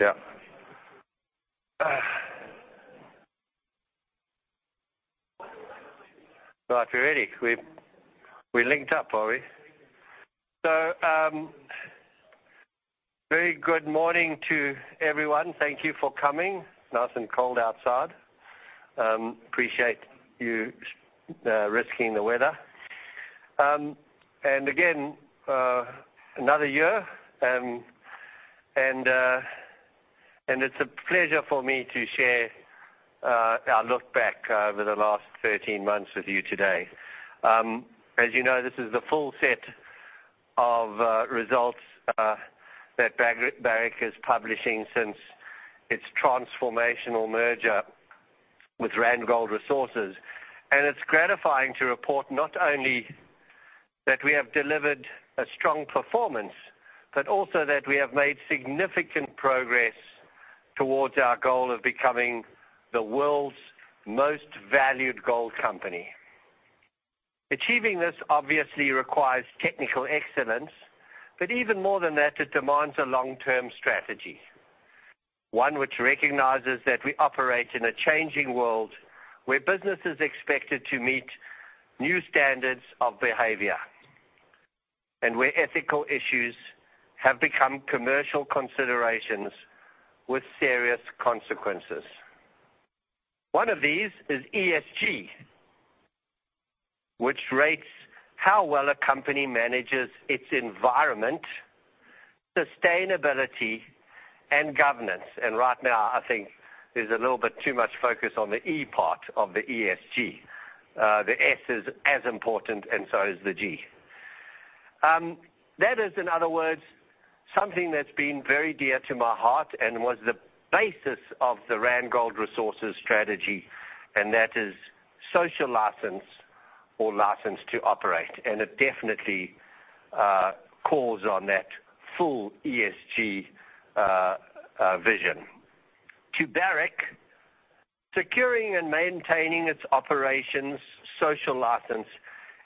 Yeah. Right. If you're ready, we're linked up, are we? Very good morning to everyone. Thank you for coming. Nice and cold outside. Appreciate you risking the weather. Again, another year, and it's a pleasure for me to share our look back over the last 13 months with you today. As you know, this is the full set of results that Barrick is publishing since its transformational merger with Randgold Resources. It's gratifying to report not only that we have delivered a strong performance, but also that we have made significant progress towards our goal of becoming the world's most valued gold company. Achieving this obviously requires technical excellence, but even more than that, it demands a long-term strategy. One which recognizes that we operate in a changing world, where business is expected to meet new standards of behavior, and where ethical issues have become commercial considerations with serious consequences. One of these is ESG, which rates how well a company manages its environment, sustainability, and governance. Right now, I think there's a little bit too much focus on the E part of the ESG. The S is as important and so is the G. That is, in other words, something that's been very dear to my heart and was the basis of the Randgold Resources strategy, and that is social license or license to operate. It definitely calls on that full ESG vision. To Barrick, securing and maintaining its operations' social license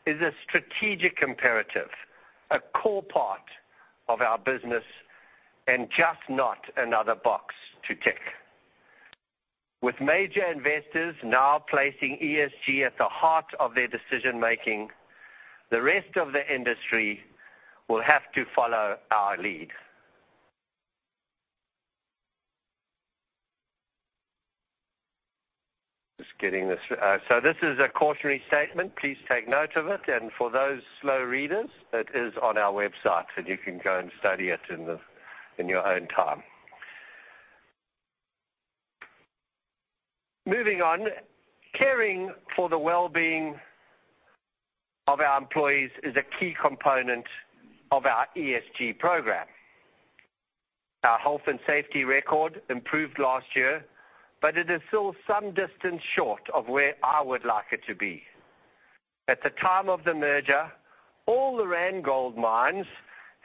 is a strategic imperative, a core part of our business, and just not another box to tick. With major investors now placing ESG at the heart of their decision-making, the rest of the industry will have to follow our lead. This is a cautionary statement. Please take note of it, and for those slow readers, it is on our website, and you can go and study it in your own time. Moving on, caring for the well-being of our employees is a key component of our ESG program. Our health and safety record improved last year, but it is still some distance short of where I would like it to be. At the time of the merger, all the Randgold mines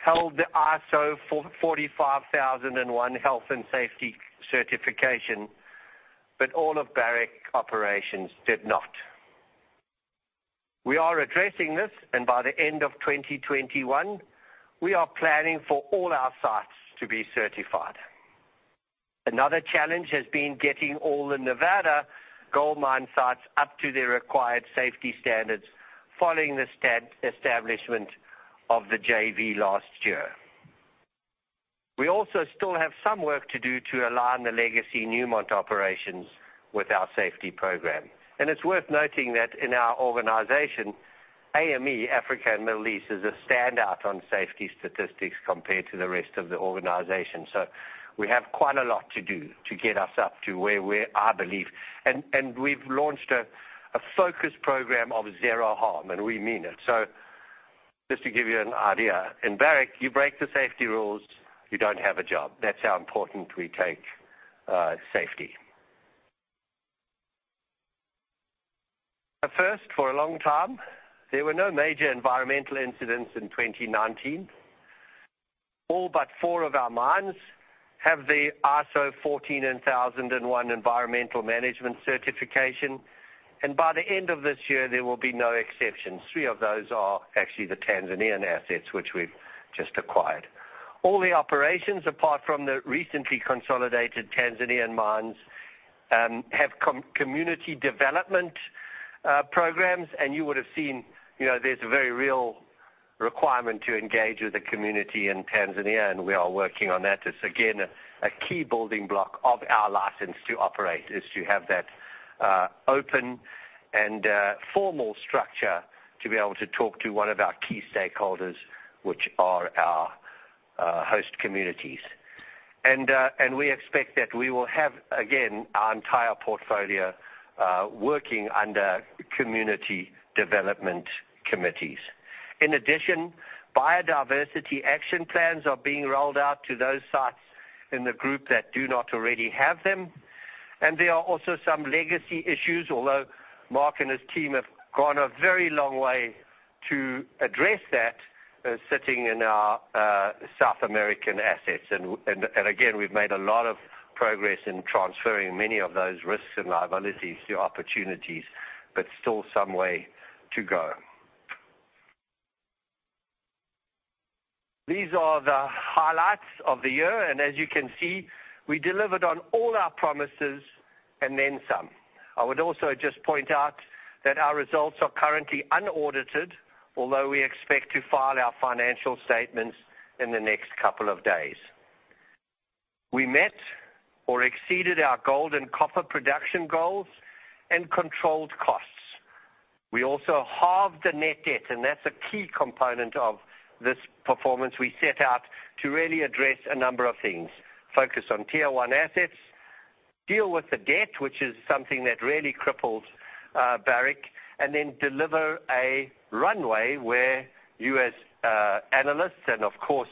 held the ISO 45001 Health and Safety certification, but all of Barrick operations did not. We are addressing this, and by the end of 2021, we are planning for all our sites to be certified. Another challenge has been getting all the Nevada Gold Mines sites up to their required safety standards following the establishment of the JV last year. We also still have some work to do to align the legacy Newmont operations with our safety program. It's worth noting that in our organization, AME, Africa and Middle East, is a standout on safety statistics compared to the rest of the organization. We have quite a lot to do to get ourself to where we are, I believe. We've launched a focus program of zero harm, and we mean it. Just to give you an idea, in Barrick, you break the safety rules, you don't have a job. That's how important we take safety. A first for a long time, there were no major environmental incidents in 2019. All but four of our mines have the ISO 14001 environmental management certification, and by the end of this year, there will be no exceptions. Three of those are actually the Tanzanian assets which we've just acquired. All the operations, apart from the recently consolidated Tanzanian mines, have community development programs, and you would have seen there's a very real requirement to engage with the community in Tanzania, and we are working on that. It's again, a key building block of our license to operate, is to have that open and formal structure to be able to talk to one of our key stakeholders, which are our host communities. We expect that we will have, again, our entire portfolio working under community development committees. In addition, biodiversity action plans are being rolled out to those sites in the group that do not already have them. There are also some legacy issues, although Mark and his team have gone a very long way to address that, sitting in The South American assets. Again, we've made a lot of progress in transferring many of those risks and liabilities to opportunities, but still some way to go. These are the highlights of the year, and as you can see, we delivered on all our promises, and then some. I would also just point out that our results are currently unaudited, although we expect to file our financial statements in the next couple of days. We met or exceeded our gold and copper production goals and controlled costs. We also halved the net debt, and that's a key component of this performance. We set out to really address a number of things, focus on tier one assets, deal with the debt, which is something that really cripples Barrick, deliver a runway where you as analysts, and of course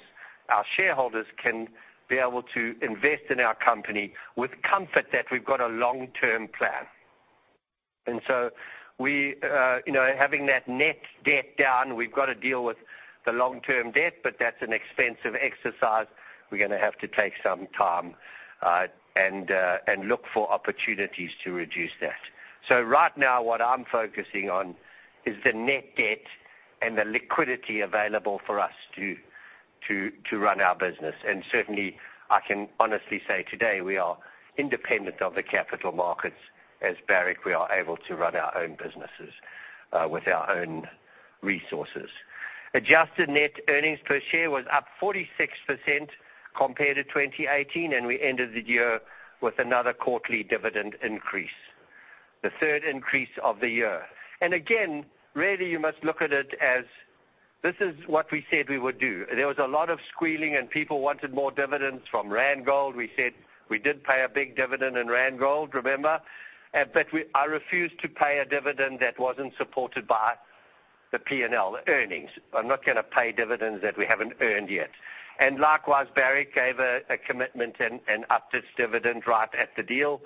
our shareholders, can be able to invest in our company with comfort that we've got a long-term plan. Having that net debt down, we've got to deal with the long-term debt, but that's an expensive exercise. We're going to have to take some time and look for opportunities to reduce that. Right now, what I'm focusing on is the net debt and the liquidity available for us to run our business. Certainly, I can honestly say today we are independent of the capital markets as Barrick. We are able to run our own businesses with our own resources. Adjusted net earnings per share was up 46% compared to 2018. We ended the year with another quarterly dividend increase, the third increase of the year. Again, really you must look at it as this is what we said we would do. There was a lot of squealing. People wanted more dividends from Randgold. We said we did pay a big dividend in Randgold, remember? I refused to pay a dividend that wasn't supported by the P&L earnings. I'm not going to pay dividends that we haven't earned yet. Likewise, Barrick gave a commitment and upped its dividend right at the deal.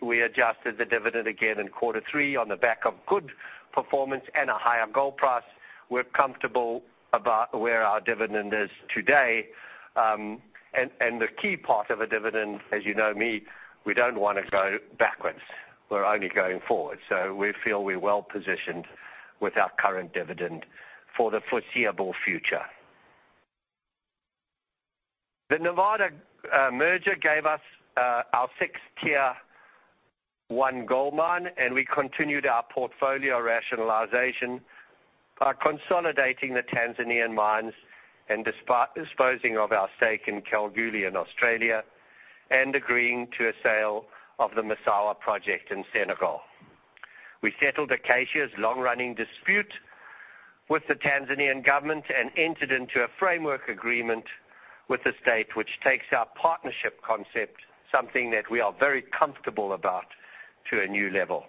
We adjusted the dividend again in quarter three on the back of good performance and a higher gold price. We're comfortable about where our dividend is today. The key part of a dividend, as you know me, we don't want to go backwards. We're only going forward. We feel we're well-positioned with our current dividend for the foreseeable future. The Nevada merger gave us our sixth tier one gold mine, and we continued our portfolio rationalization by consolidating the Tanzanian mines and disposing of our stake in Kalgoorlie in Australia and agreeing to a sale of the Massawa project in Senegal. We settled Acacia's long-running dispute with the Tanzanian government and entered into a framework agreement with the state, which takes our partnership concept, something that we are very comfortable about, to a new level.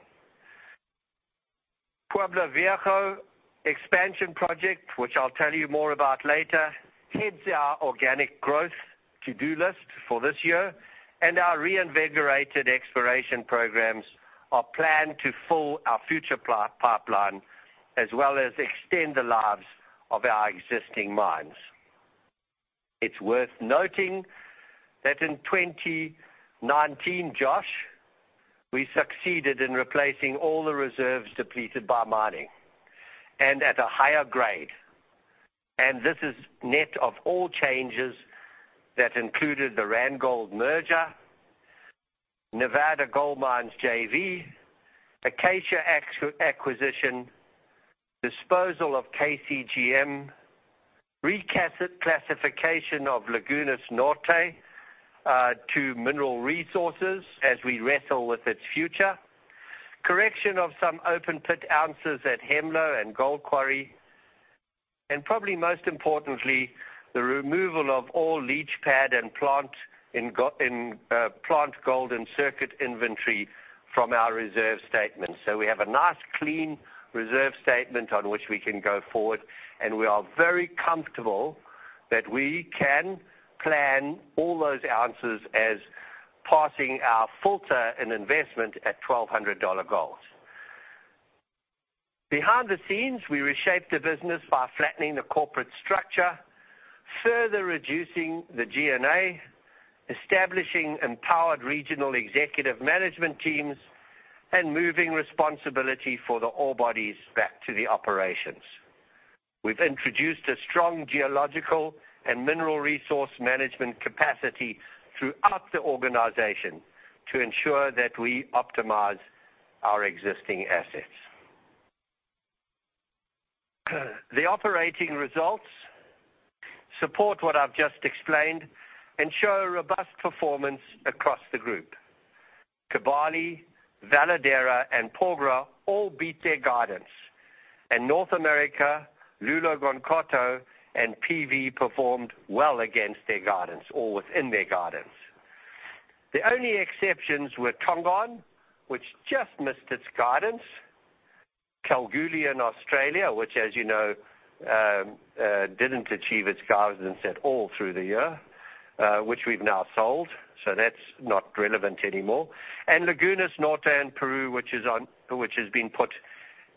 Pueblo Viejo expansion project, which I'll tell you more about later, heads our organic growth to-do list for this year, and our reinvigorated exploration programs are planned to fill our future pipeline as well as extend the lives of our existing mines. It's worth noting that in 2019, Josh, we succeeded in replacing all the reserves depleted by mining and at a higher grade. This is net of all changes that included the Randgold merger, Nevada Gold Mines JV, Acacia acquisition, disposal of KCGM, reclassification of Lagunas Norte to mineral resources as we wrestle with its future, correction of some open-pit ounces at Hemlo and Gold Quarry, and probably most importantly, the removal of all leach pad and plant gold and circuit inventory from our reserve statement. We have a nice, clean reserve statement on which we can go forward, and we are very comfortable that we can plan all those ounces as passing our filter and investment at $1,200 gold. Behind the scenes, we reshaped the business by flattening the corporate structure, further reducing the G&A, establishing empowered regional executive management teams, and moving responsibility for the ore bodies back to the operations. We've introduced a strong geological and mineral resource management capacity throughout the organization to ensure that we optimize our existing assets. The operating results support what I've just explained and show a robust performance across the group. Kibali, Veladero, and Porgera all beat their guidance. North America, Loulo-Gounkoto, and PV performed well against their guidance or within their guidance. The only exceptions were Tongon, which just missed its guidance, Kalgoorlie in Australia, which, as you know, didn't achieve its guidance at all through the year, which we've now sold, so that's not relevant anymore. Lagunas Norte in Peru, which has been put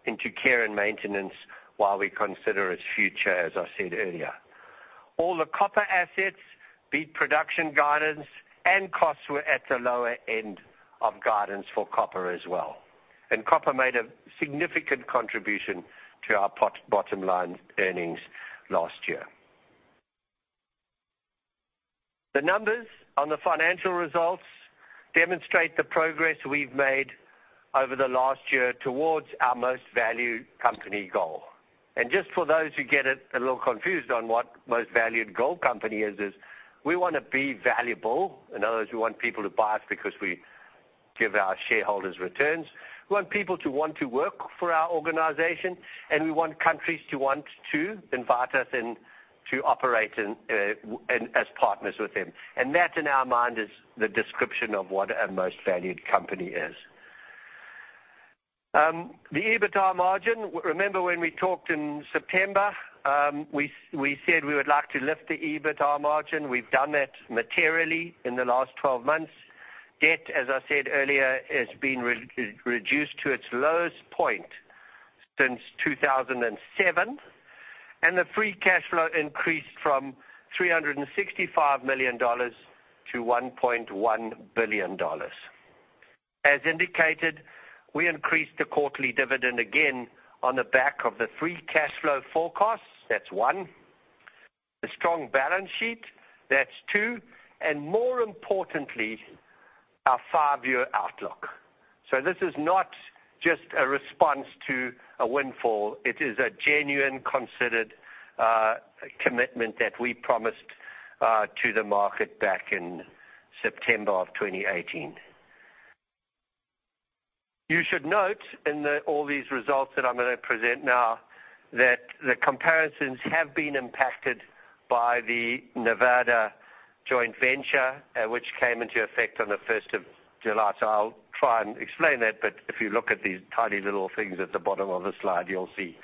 into care and maintenance while we consider its future, as I said earlier. All the copper assets beat production guidance, and costs were at the lower end of guidance for copper as well. Copper made a significant contribution to our bottom line earnings last year. The numbers on the financial results demonstrate the progress we've made over the last year towards our most valued company goal. Just for those who get it a little confused on what most valued gold company is, we want to be valuable. In other words, we want people to buy us because we give our shareholders returns. We want people to want to work for our organization, and we want countries to want to invite us in to operate as partners with them. That, in our mind, is the description of what a most valued company is. The EBITDA margin. Remember when we talked in September? We said we would like to lift the EBITDA margin. We've done that materially in the last 12 months. Debt, as I said earlier, has been reduced to its lowest point since 2007, and the free cash flow increased from $365 million-$1.1 billion. As indicated, we increased the quarterly dividend again on the back of the free cash flow forecast. That's one. The strong balance sheet, that's two. More importantly, our five-year outlook. This is not just a response to a windfall. It is a genuine, considered commitment that we promised to the market back in September of 2018. You should note in all these results that I'm going to present now that the comparisons have been impacted by the Nevada joint venture, which came into effect on the 1st of July. I'll try and explain that, but if you look at these tiny little things at the bottom of the slide, you'll see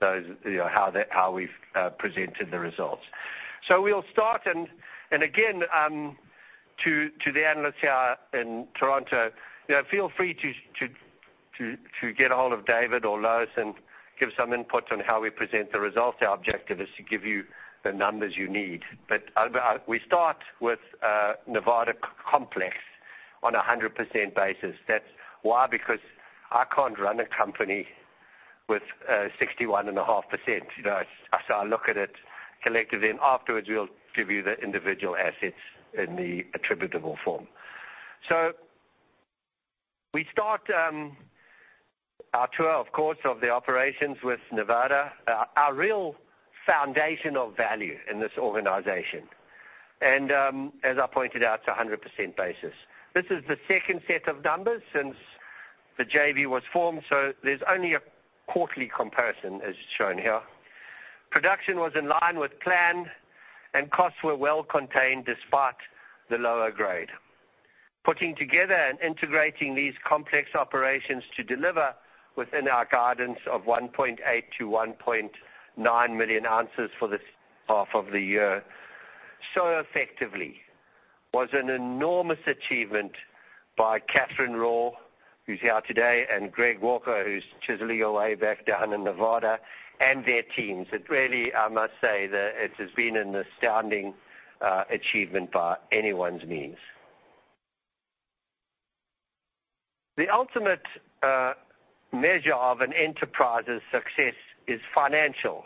how we've presented the results. We'll start and again to the analysts here in Toronto, feel free to get a hold of David or Lewis and give some input on how we present the results. Our objective is to give you the numbers you need. We start with Nevada complex on 100% basis. That's why because I can't run a company with 61.5%, so I look at it collectively. Afterwards, we'll give you the individual assets in the attributable form. We start our tour, of course, of the operations with Nevada, our real foundation of value in this organization. As I pointed out, it's 100% basis. This is the second set of numbers since the JV was formed, so there's only a quarterly comparison as shown here. Production was in line with plan, and costs were well contained despite the lower grade. Putting together and integrating these complex operations to deliver within our guidance of 1.8 million-1.9 million ounces for this half of the year so effectively was an enormous achievement by Catherine Raw, who's here today, and Greg Walker, who's chiseling away back down in Nevada, and their teams. That really, I must say, it has been an astounding achievement by anyone's means. The ultimate measure of an enterprise's success is financial.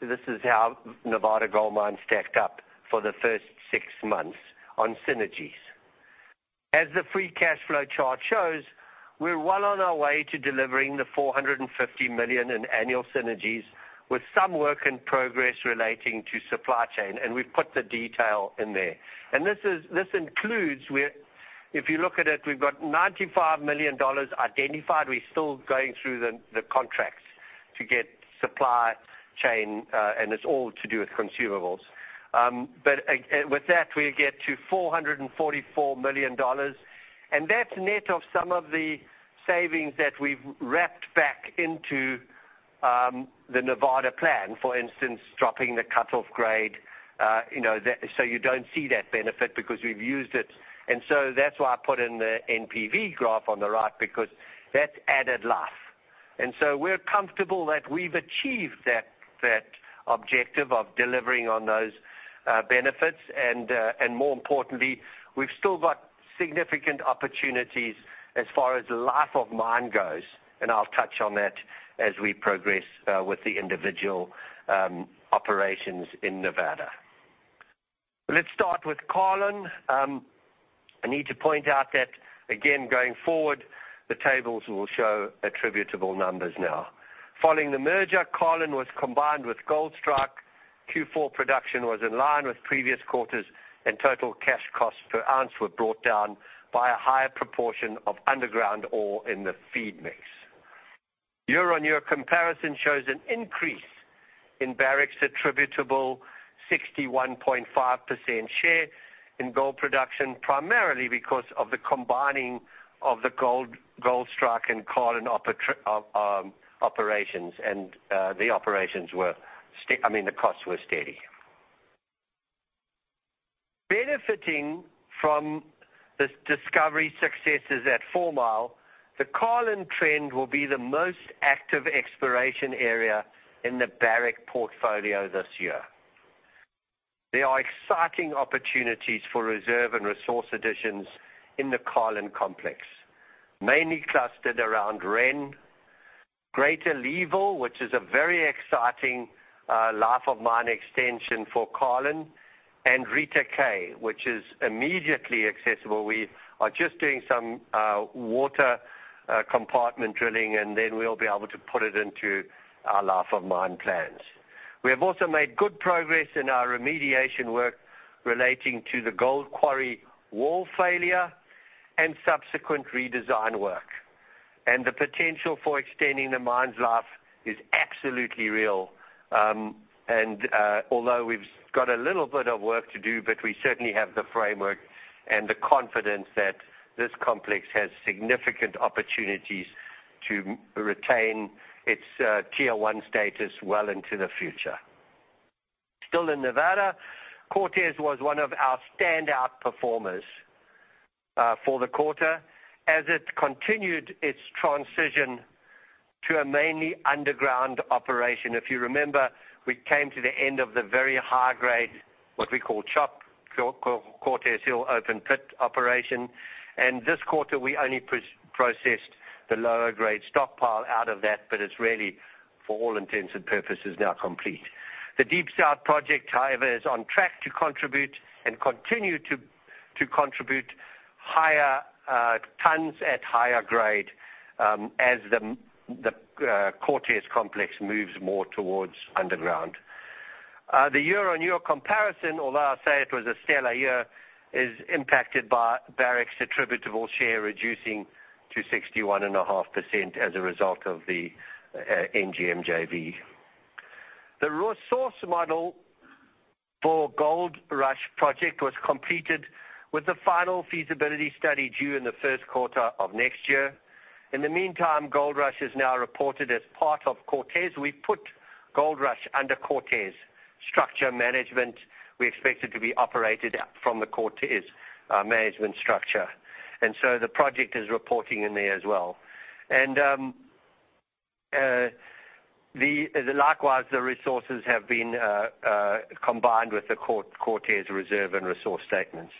This is how Nevada Gold Mines stacked up for the first six months on synergies. As the free cash flow chart shows, we're well on our way to delivering the $450 million in annual synergies, with some work in progress relating to supply chain, and we've put the detail in there. This includes, if you look at it, we've got $95 million identified. We're still going through the contracts to get supply chain, and it's all to do with consumables. With that, we get to $444 million, and that's net of some of the savings that we've wrapped back into the Nevada plan. For instance, dropping the cut-off grade so you don't see that benefit because we've used it. That's why I put in the NPV graph on the right, because that's added life. We are comfortable that we've achieved that objective of delivering on those benefits. More importantly, we've still got significant opportunities as far as life-of-mine goes, and I'll touch on that as we progress with the individual operations in Nevada. Let's start with Carlin. I need to point out that again, going forward, the tables will show attributable numbers now. Following the merger, Carlin was combined with Goldstrike. Q4 production was in line with previous quarters, and total cash costs per ounce were brought down by a higher proportion of underground ore in the feed mix. Year-on-year comparison shows an increase in Barrick's attributable 61.5% share in gold production, primarily because of the combining of the Goldstrike and Carlin operations, and the costs were steady. Benefiting from the discovery successes at Fourmile, the Carlin Trend will be the most active exploration area in the Barrick portfolio this year. There are exciting opportunities for reserve and resource additions in the Carlin complex, mainly clustered around REN, Greater Leeville, which is a very exciting life-of-mine extension for Carlin, and Rita K, which is immediately accessible. We are just doing some water compartment drilling, and then we'll be able to put it into our life-of-mine plans. We have also made good progress in our remediation work relating to the Gold Quarry wall failure and subsequent redesign work. The potential for extending the mine's life is absolutely real. Although we've got a little bit of work to do, but we certainly have the framework and the confidence that this complex has significant opportunities to retain its tier one status well into the future. Still in Nevada, Cortez was one of our standout performers for the quarter as it continued its transition to a mainly underground operation. If you remember, we came to the end of the very high-grade, what we call chop, Cortez Hill open pit operation, and this quarter we only processed the lower grade stockpile out of that, but it's really, for all intents and purposes, now complete. The Deep South project, however, is on track to contribute and continue to contribute higher tons at higher grade as the Cortez complex moves more towards underground. The year-on-year comparison, although I'll say it was a stellar year, is impacted by Barrick's attributable share reducing to 61.5% as a result of the NGM JV. The resource model for Goldrush project was completed with the final feasibility study due in the first quarter of next year. In the meantime, Goldrush is now reported as part of Cortez. We've put Goldrush under Cortez structure management. We expect it to be operated from the Cortez management structure. The project is reporting in there as well. Likewise, the resources have been combined with the Cortez reserve and resource statements.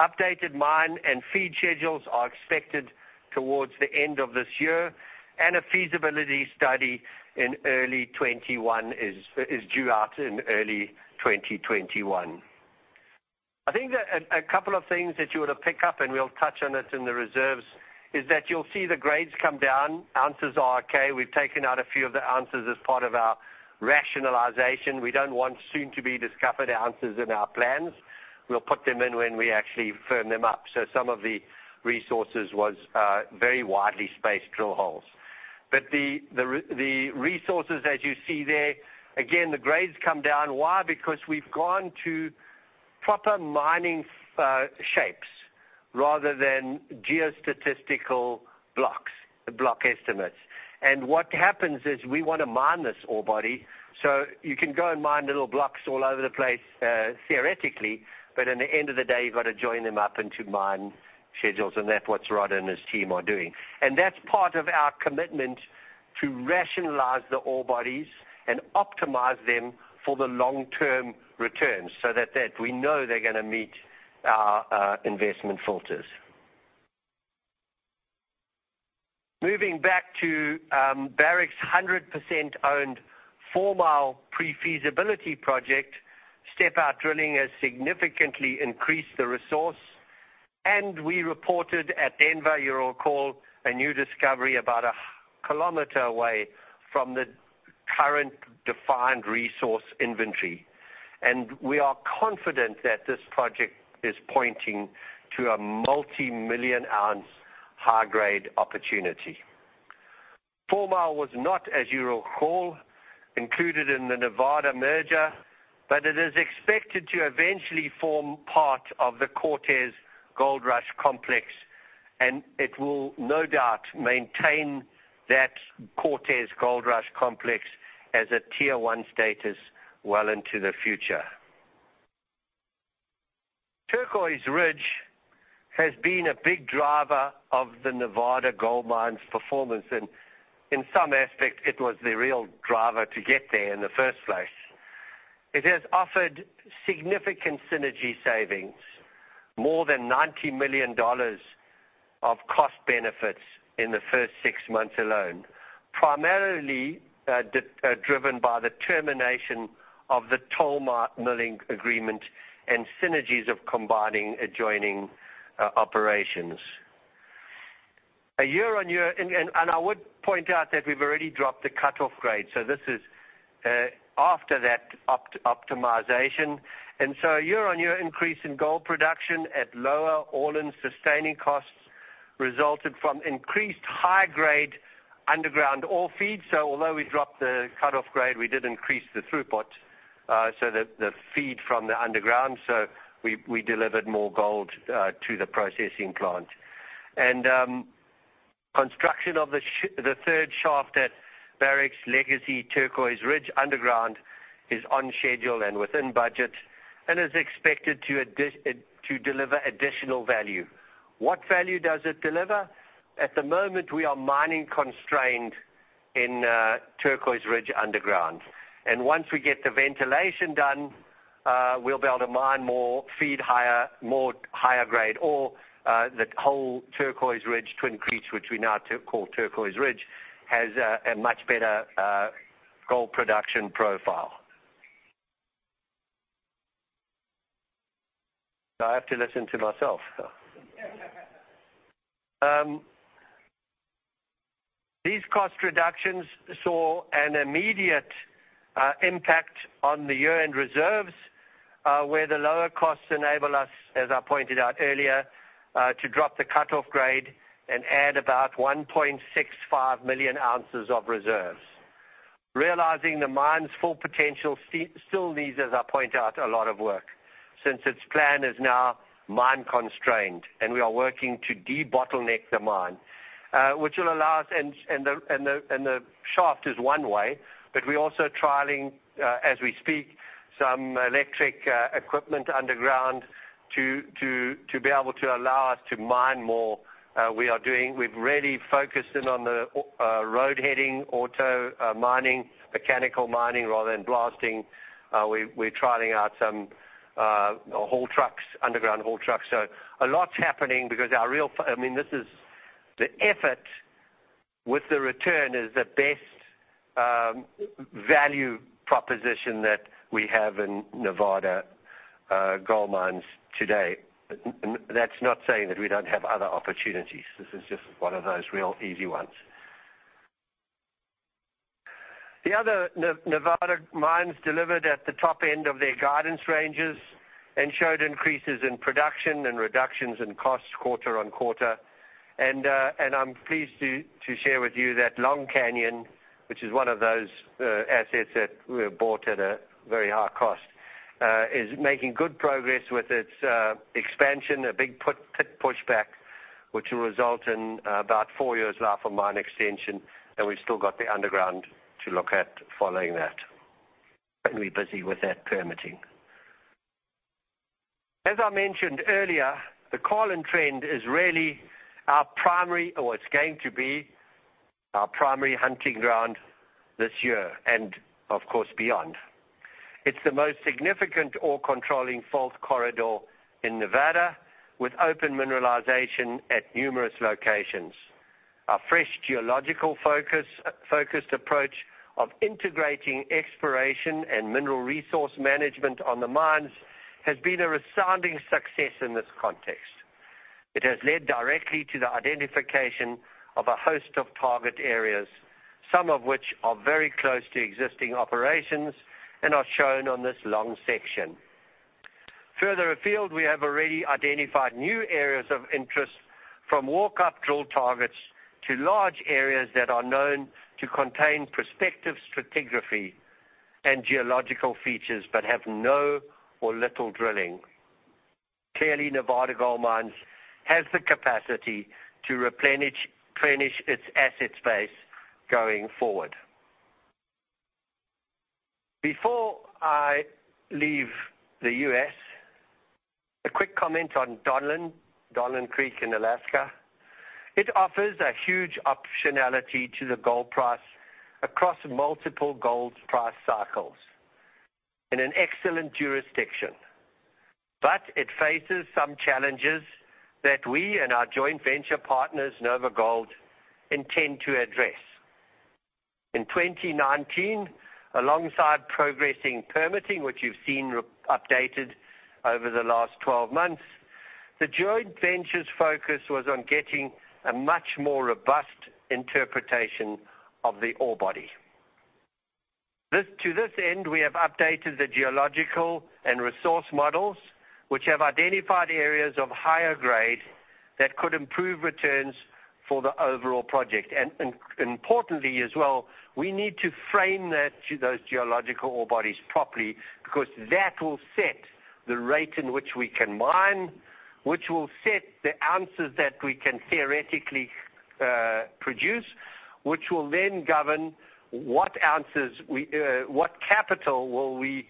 Updated mine and feed schedules are expected towards the end of this year, and a feasibility study in early 2021 is due out in early 2021. I think that a couple of things that you were to pick up, and we'll touch on it in the reserves, is that you'll see the grades come down. Ounces are okay. We've taken out a few of the ounces as part of our rationalization. We don't want soon-to-be discovered ounces in our plans. We'll put them in when we actually firm them up. Some of the resources was very widely spaced drill holes. The resources that you see there, again, the grades come down. Why? Because we've gone to proper mining shapes rather than geostatistical blocks, block estimates. What happens is we want to mine this ore body, so you can go and mine little blocks all over the place, theoretically, but in the end of the day, you've got to join them up into mine schedules, and that's what Rod and his team are doing. That's part of our commitment to rationalize the ore bodies and optimize them for the long-term returns so that we know they're going to meet our investment filters. Moving back to Barrick's 100% owned Fourmile pre-feasibility project, step-out drilling has significantly increased the resource, and we reported at Denver, you'll recall, a new discovery about a kilometer away from the current defined resource inventory. We are confident that this project is pointing to a multimillion ounce high-grade opportunity. Fourmile was not, as you recall, included in the Nevada merger, but it is expected to eventually form part of the Cortez Goldrush complex, and it will no doubt maintain that Cortez Goldrush complex as a tier one status well into the future. Turquoise Ridge has been a big driver of the Nevada Gold Mines' performance, and in some aspect, it was the real driver to get there in the first place. It has offered significant synergy savings, more than $90 million of cost benefits in the first six months alone, primarily driven by the termination of the toll milling agreement and synergies of combining adjoining operations. I would point out that we've already dropped the cutoff grade, so this is after that optimization. A year-on-year increase in gold production at lower all-in sustaining costs. Resulted from increased high-grade underground ore feed. Although we dropped the cutoff grade, we did increase the throughput, so the feed from the underground. We delivered more gold to the processing plant. Construction of the third shaft at Barrick's legacy Turquoise Ridge underground is on schedule and within budget, and is expected to deliver additional value. What value does it deliver? At the moment, we are mining constrained in Turquoise Ridge underground. Once we get the ventilation done, we'll be able to mine more, feed more higher grade ore. That whole Turquoise Ridge Twin Creeks, which we now call Turquoise Ridge, has a much better gold production profile. Now I have to listen to myself. These cost reductions saw an immediate impact on the year-end reserves, where the lower costs enable us, as I pointed out earlier, to drop the cut-off grade and add about 1.65 million ounces of reserves. Realizing the mine's full potential still needs, as I point out, a lot of work, since its plan is now mine-constrained and we are working to debottleneck the mine, which will allow us. The shaft is one way, but we're also trialing, as we speak, some electric equipment underground to be able to allow us to mine more. We've really focused in on the road heading auto mining, mechanical mining, rather than blasting. We're trialing out some underground haul trucks. A lot's happening because our real effort with the return is the best value proposition that we have in Nevada Gold Mines today. That's not saying that we don't have other opportunities. This is just one of those real easy ones. The other Nevada mines delivered at the top end of their guidance ranges and showed increases in production and reductions in costs quarter-on-quarter. I'm pleased to share with you that Long Canyon, which is one of those assets that we bought at a very high cost, is making good progress with its expansion, a big pit push back, which will result in about four years life-of-mine extension, and we've still got the underground to look at following that. We're busy with that permitting. As I mentioned earlier, the Carlin Trend is really our primary, or it's going to be our primary hunting ground this year, and of course, beyond. It's the most significant ore-controlling fault corridor in Nevada, with open mineralization at numerous locations. Our fresh geological-focused approach of integrating exploration and mineral resource management on the mines has been a resounding success in this context. It has led directly to the identification of a host of target areas, some of which are very close to existing operations and are shown on this long section. Further afield, we have already identified new areas of interest from walk-up drill targets to large areas that are known to contain prospective stratigraphy and geological features, but have no or little drilling. Clearly, Nevada Gold Mines has the capacity to replenish its asset space going forward. Before I leave the U.S., a quick comment on Donlin Gold in Alaska. It offers a huge optionality to the gold price across multiple gold price cycles in an excellent jurisdiction. It faces some challenges that we and our joint venture partners, NovaGold, intend to address In 2019, alongside progressing permitting, which you've seen updated over the last 12 months, the joint venture's focus was on getting a much more robust interpretation of the orebody. To this end, we have updated the geological and resource models, which have identified areas of higher grade that could improve returns for the overall project. Importantly as well, we need to frame those geological orebodies properly because that will set the rate in which we can mine, which will set the ounces that we can theoretically produce, which will then govern what capital will we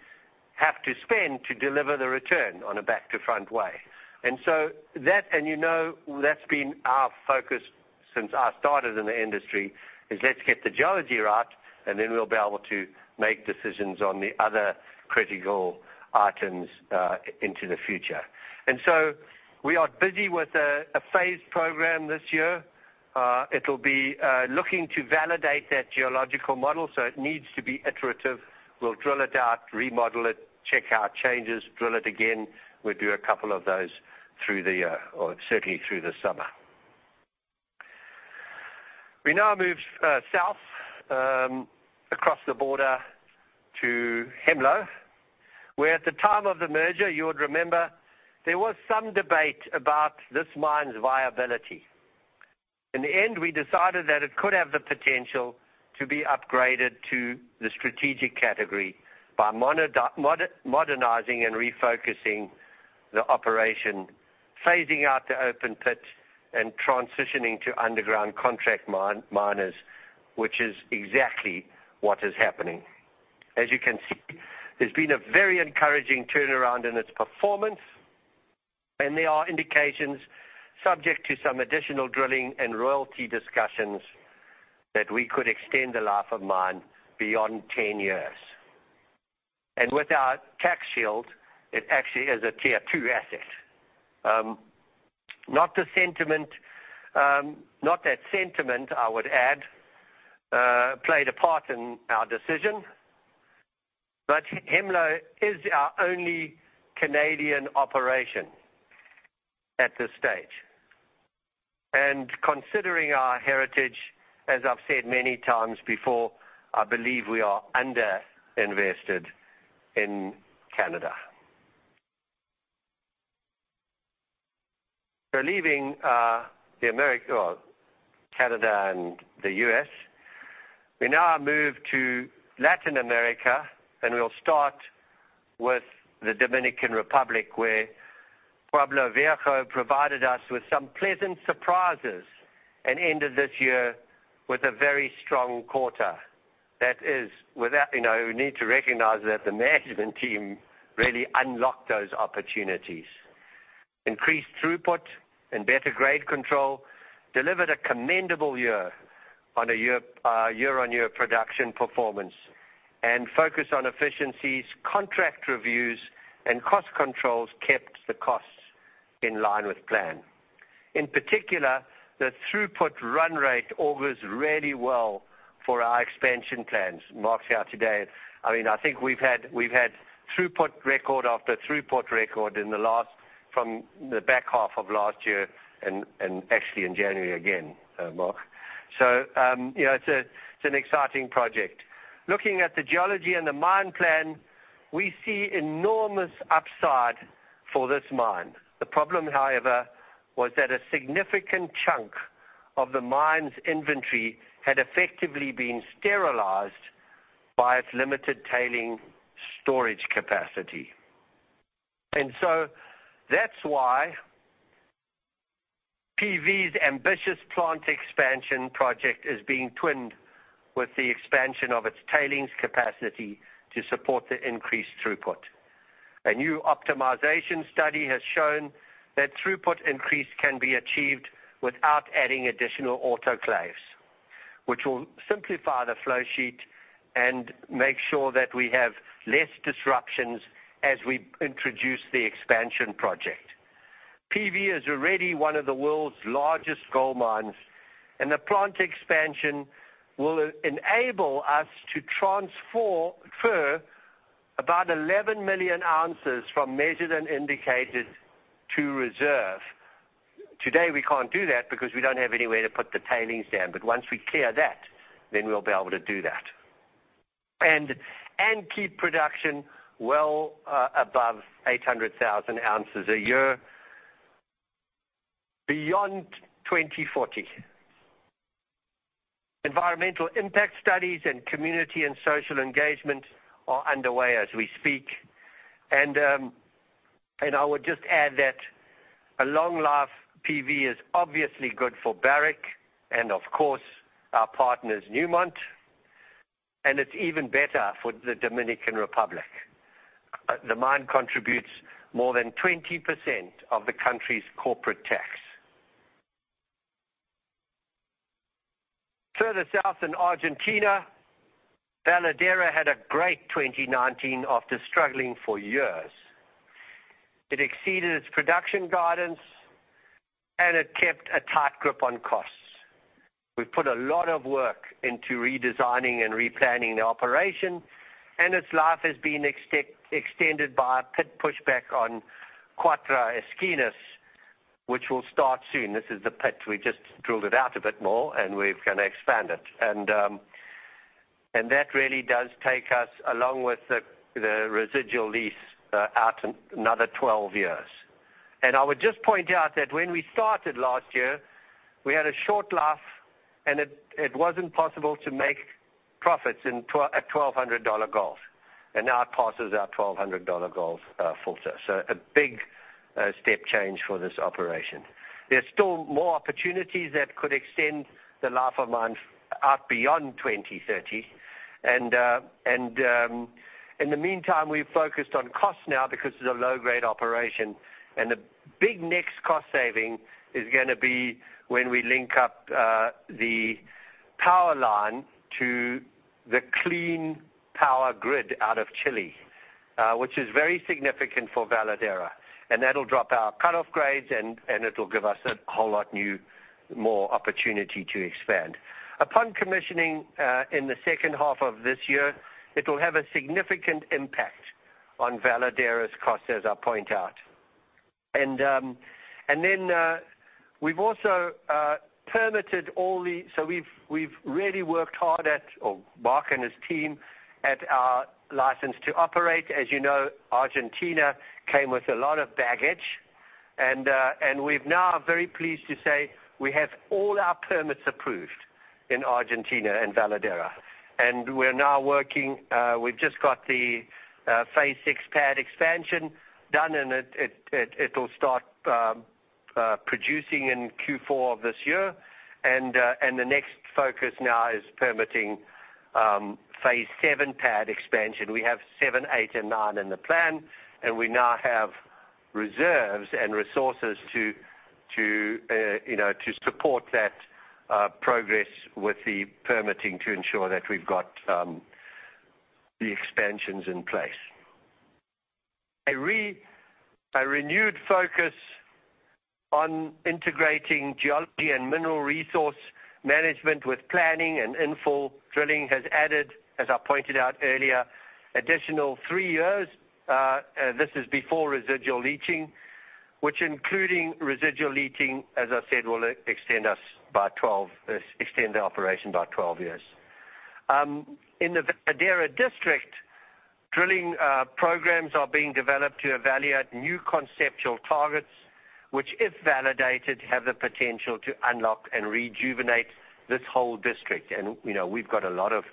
have to spend to deliver the return on a back-to-front way. You know that's been our focus since I started in the industry, is let's get the geology right and then we'll be able to make decisions on the other critical items into the future. We are busy with a phased program this year. It'll be looking to validate that geological model, so it needs to be iterative. We'll drill it out, remodel it, check our changes, drill it again. We'll do a couple of those through the year or certainly through the summer. We now move south across the border to Hemlo, where at the time of the merger, you would remember, there was some debate about this mine's viability. In the end, we decided that it could have the potential to be upgraded to the strategic category by modernizing and refocusing the operation, phasing out the open pit, and transitioning to underground contract miners, which is exactly what is happening. As you can see, there's been a very encouraging turnaround in its performance, and there are indications, subject to some additional drilling and royalty discussions, that we could extend the life-of-mine beyond 10 years. With our tax shield, it actually is a tier two asset. Not that sentiment, I would add, played a part in our decision, but Hemlo is our only Canadian operation at this stage. Considering our heritage, as I've said many times before, I believe we are under-invested in Canada. Leaving Canada and the U.S., we now move to Latin America, and we'll start with the Dominican Republic, where Pueblo Viejo provided us with some pleasant surprises and ended this year with a very strong quarter. That is, we need to recognize that the management team really unlocked those opportunities. Increased throughput and better grade control delivered a commendable year on a year-on-year production performance, focus on efficiencies, contract reviews, and cost controls kept the costs in line with plan. In particular, the throughput run rate augurs really well for our expansion plans. Mark's here today. I think we've had throughput record after throughput record from the back half of last year and actually in January again, Mark. It's an exciting project. Looking at the geology and the mine plan, we see enormous upside for this mine. The problem, however, was that a significant chunk of the mine's inventory had effectively been sterilized by its limited tailing storage capacity. That's why PV's ambitious plant expansion project is being twinned with the expansion of its tailings capacity to support the increased throughput. A new optimization study has shown that throughput increase can be achieved without adding additional autoclaves, which will simplify the flow sheet and make sure that we have less disruptions as we introduce the expansion project. PV is already one of the world's largest gold mines, the plant expansion will enable us to transfer about 11 million ounces from measured and indicated to reserve. Today, we can't do that because we don't have anywhere to put the tailings down, once we clear that, we'll be able to do that and keep production well above 800,000 ounces a year beyond 2040. Environmental impact studies and community and social engagement are underway as we speak. I would just add that a long life PV is obviously good for Barrick and, of course, our partners, Newmont, and it's even better for the Dominican Republic. The mine contributes more than 20% of the country's corporate tax. Further south in Argentina, Veladero had a great 2019 after struggling for years. It exceeded its production guidance, and it kept a tight grip on costs. We put a lot of work into redesigning and replanning the operation, and its life has been extended by a pit pushback on Cuatro Esquinas, which will start soon. This is the pit. We just drilled it out a bit more, and we're going to expand it. That really does take us, along with the residual lease, out another 12 years. I would just point out that when we started last year, we had a short life, and it wasn't possible to make profits at $1,200 gold, and now it passes our $1,200 gold filter. So a big step change for this operation. There's still more opportunities that could extend the life-of-mine out beyond 2030. In the meantime, we've focused on costs now because it's a low-grade operation. The big next cost saving is going to be when we link up the power line to the clean power grid out of Chile, which is very significant for Veladero. That'll drop our cutoff grades, and it'll give us a whole lot more opportunity to expand. Upon commissioning in the second half of this year, it will have a significant impact on Veladero's cost, as I point out. Then we've also permitted, so we've really worked hard at, or Mark and his team, at our license to operate. As you know, Argentina came with a lot of baggage, and we're now very pleased to say we have all our permits approved in Argentina and Veladero, and we're now working. We've just got the phase six pad expansion done, and it'll start producing in Q4 of this year. The next focus now is permitting phase seven pad expansion. We have seven, eight, and nine in the plan, and we now have reserves and resources to support that progress with the permitting to ensure that we've got the expansions in place. A renewed focus on integrating geology and mineral resource management with planning and infill drilling has added, as I pointed out earlier, additional three years. This is before residual leaching, which including residual leaching, as I said, will extend the operation by 12 years. In the Veladero District, drilling programs are being developed to evaluate new conceptual targets, which, if validated, have the potential to unlock and rejuvenate this whole district. We've got a lot of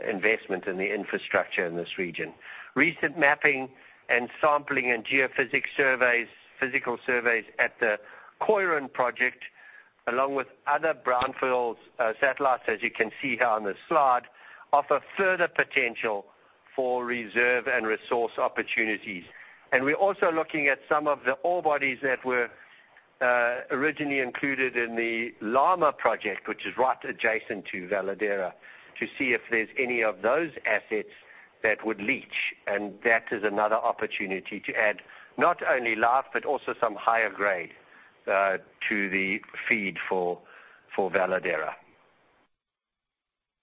investment in the infrastructure in this region. Recent mapping and sampling and geophysics surveys, physical surveys at the Carlin Project, along with other brownfields satellites, as you can see here on the slide, offer further potential for reserve and resource opportunities. We're also looking at some of the ore bodies that were originally included in the Lama project, which is right adjacent to Veladero, to see if there's any of those assets that would leach. That is another opportunity to add not only life but also some higher grade to the feed for Veladero.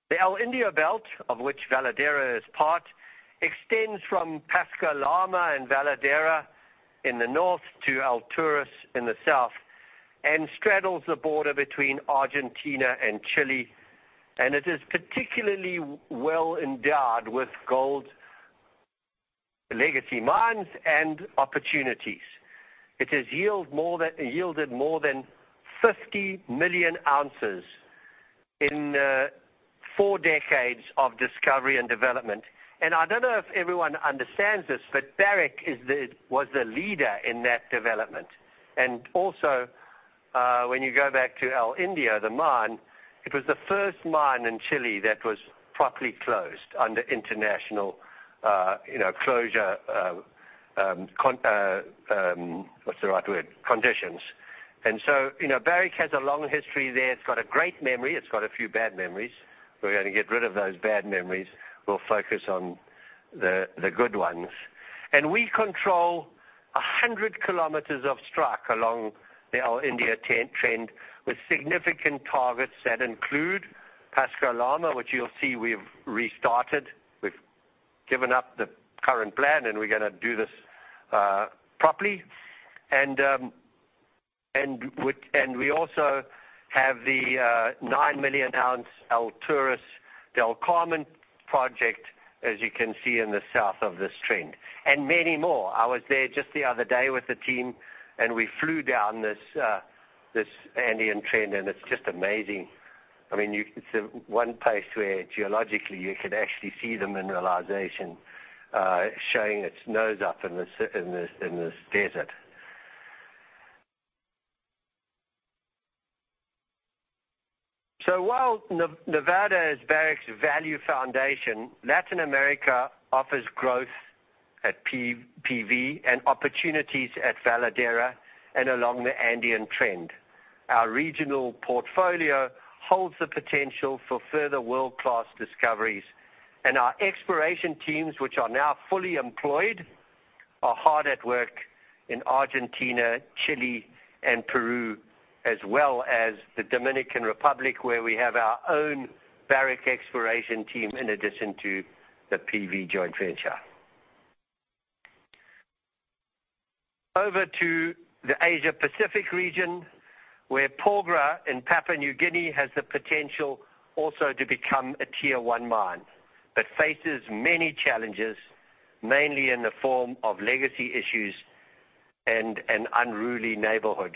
The El Indio Belt, of which Veladero is part, extends from Pascua-Lama and Veladero in the north to Alturas in the south, and straddles the border between Argentina and Chile, and it is particularly well-endowed with gold legacy mines and opportunities. It has yielded more than 50 million ounces in four decades of discovery and development. I don't know if everyone understands this, but Barrick was a leader in that development. Also, when you go back to El Indio, the mine, it was the first mine in Chile that was properly closed under international closure, what's the right word? Conditions. Barrick has a long history there. It's got a great memory. It's got a few bad memories. We're going to get rid of those bad memories. We'll focus on the good ones. We control 100 km of strike along the El Indio Trend with significant targets that include Pascua-Lama, which you'll see we've restarted. We've given up the current plan, and we're going to do this properly. We also have the 9 million ounce Alturas, the Alto del Carmen project, as you can see in the south of this trend, and many more. I was there just the other day with the team and we flew down this Andean Trend, and it's just amazing. It's the one place where geologically you can actually see the mineralization showing its nose up in this desert. While Nevada is Barrick's value foundation, Latin America offers growth at PV and opportunities at Veladero and along the Andean Trend. Our regional portfolio holds the potential for further world-class discoveries. Our exploration teams, which are now fully employed, are hard at work in Argentina, Chile, and Peru, as well as the Dominican Republic, where we have our own Barrick exploration team in addition to the JV joint venture. Over to the Asia-Pacific region, where Porgera in Papua New Guinea has the potential also to become a tier one mine, faces many challenges, mainly in the form of legacy issues and an unruly neighborhood.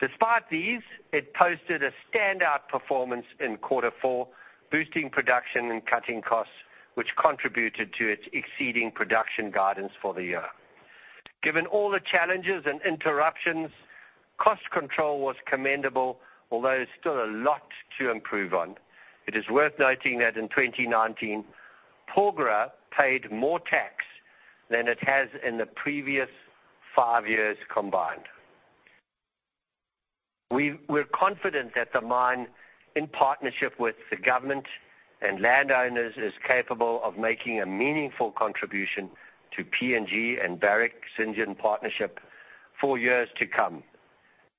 Despite these, it posted a standout performance in quarter four, boosting production and cutting costs, which contributed to its exceeding production guidance for the year. Given all the challenges and interruptions, cost control was commendable, although there's still a lot to improve on. It is worth noting that in 2019, Porgera paid more tax than it has in the previous five years combined. We're confident that the mine, in partnership with the government and landowners, is capable of making a meaningful contribution to PNG and Barrick-Zijin partnership for years to come.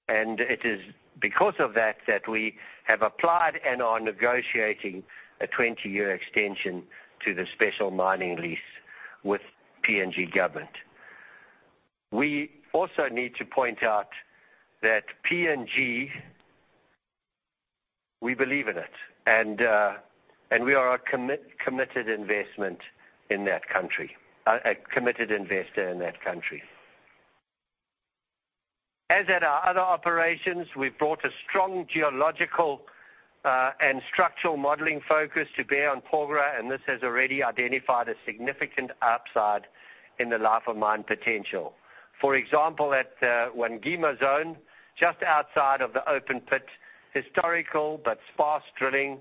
It is because of that we have applied and are negotiating a 20-year extension to the Special Mining Lease with PNG government. We also need to point out that PNG, we believe in it, and we are a committed investor in that country. As at our other operations, we've brought a strong geological and structural modeling focus to bear on Porgera, and this has already identified a significant upside in the life-of-mine potential. For example, at Wangima zone, just outside of the open pit, historical but sparse drilling,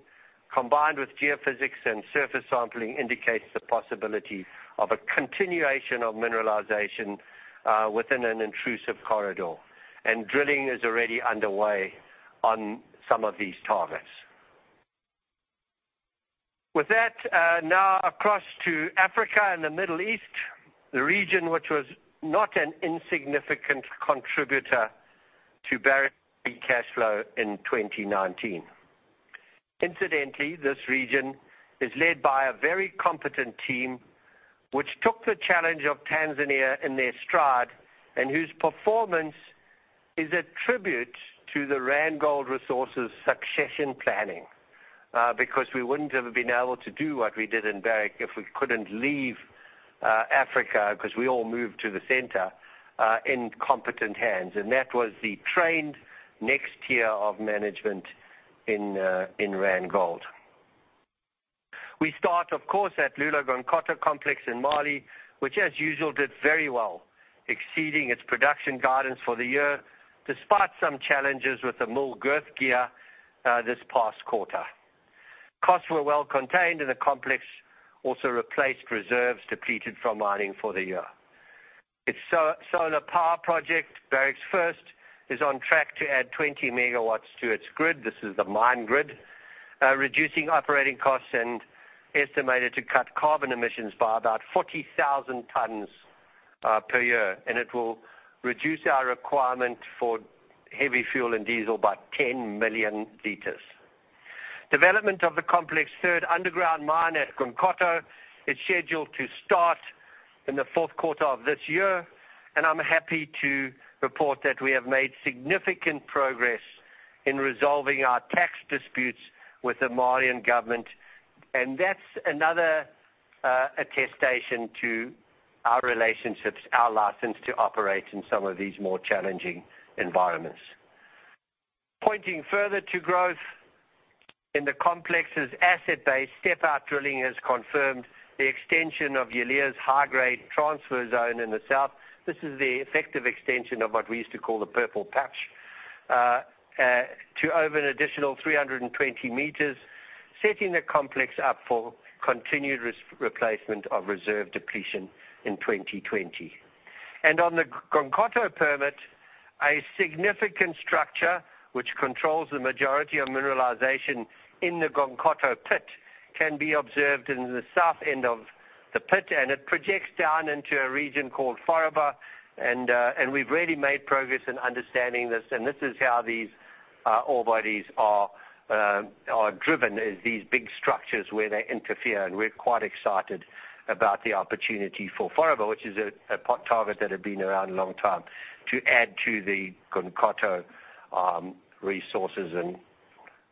combined with geophysics and surface sampling, indicates the possibility of a continuation of mineralization within an intrusive corridor. Drilling is already underway on some of these targets. With that, now across to Africa and the Middle East, the region which was not an insignificant contributor to Barrick's cash flow in 2019. Incidentally, this region is led by a very competent team, which took the challenge of Tanzania in their stride, and whose performance is a tribute to the Randgold Resources succession planning, because we wouldn't have been able to do what we did in Barrick if we couldn't leave Africa, because we all moved to the center, in competent hands. That was the trained next tier of management in Randgold. We start, of course, at Loulo-Gounkoto complex in Mali, which as usual, did very well, exceeding its production guidance for the year, despite some challenges with the mill girth gear this past quarter. Costs were well contained, and the complex also replaced reserves depleted from mining for the year. Its solar power project, Barrick's first, is on track to add 20 MW to its grid, this is the mine grid, reducing operating costs and estimated to cut carbon emissions by about 40,000 tons per year, and it will reduce our requirement for heavy fuel and diesel by 10 million liters. Development of the complex' third underground mine at Gounkoto is scheduled to start in the fourth quarter of this year. I'm happy to report that we have made significant progress in resolving our tax disputes with the Malian government, and that's another attestation to our relationships, our license to operate in some of these more challenging environments. Pointing further to growth in the complex's asset base, step-out drilling has confirmed the extension of Yalea's high-grade transfer zone in the south. This is the effective extension of what we used to call the purple patch, to over an additional 320 m, setting the complex up for continued replacement of reserve depletion in 2020. On the Gounkoto permit, a significant structure which controls the majority of mineralization in the Gounkoto pit can be observed in the south end of the pit, and it projects down into a region called Faraba. We've really made progress in understanding this, and this is how these ore bodies are driven, is these big structures where they interfere, and we're quite excited about the opportunity for Faraba, which is a pot target that had been around a long time to add to the Gounkoto resources and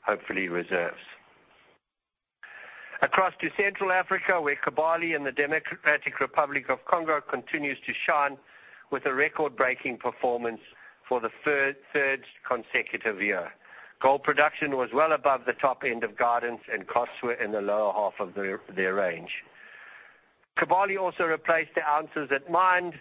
hopefully reserves. Across to Central Africa, where Kibali in the Democratic Republic of Congo continues to shine with a record-breaking performance for the third consecutive year. Gold production was well above the top end of guidance, and costs were in the lower half of their range. Kibali also replaced the ounces at mined,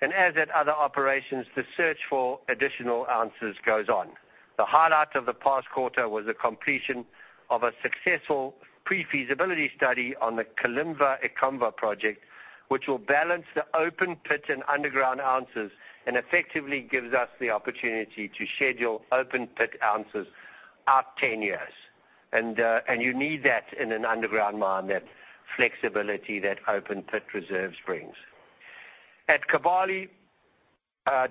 and as at other operations, the search for additional ounces goes on. The highlight of the past quarter was the completion of a successful pre-feasibility study on the Kalumba Ilokwe project, which will balance the open pit and underground ounces and effectively gives us the opportunity to schedule open-pit ounces out 10 years. You need that in an underground mine, that flexibility that open-pit reserves brings. At Kibali,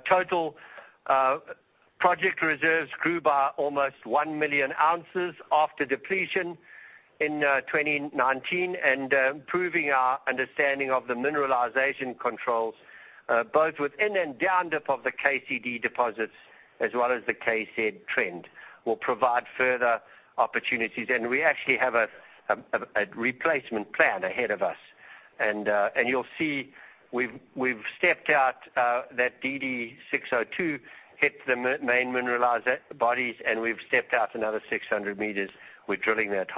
total project reserves grew by almost 1 million ounces after depletion in 2019 and improving our understanding of the mineralization controls, both within and down dip of the KCD deposits as well as the KZ Trend, will provide further opportunities. We actually have a replacement plan ahead of us. You'll see we've stepped out that DD602, hit the main mineralized bodies, and we've stepped out another 600 m. We're drilling that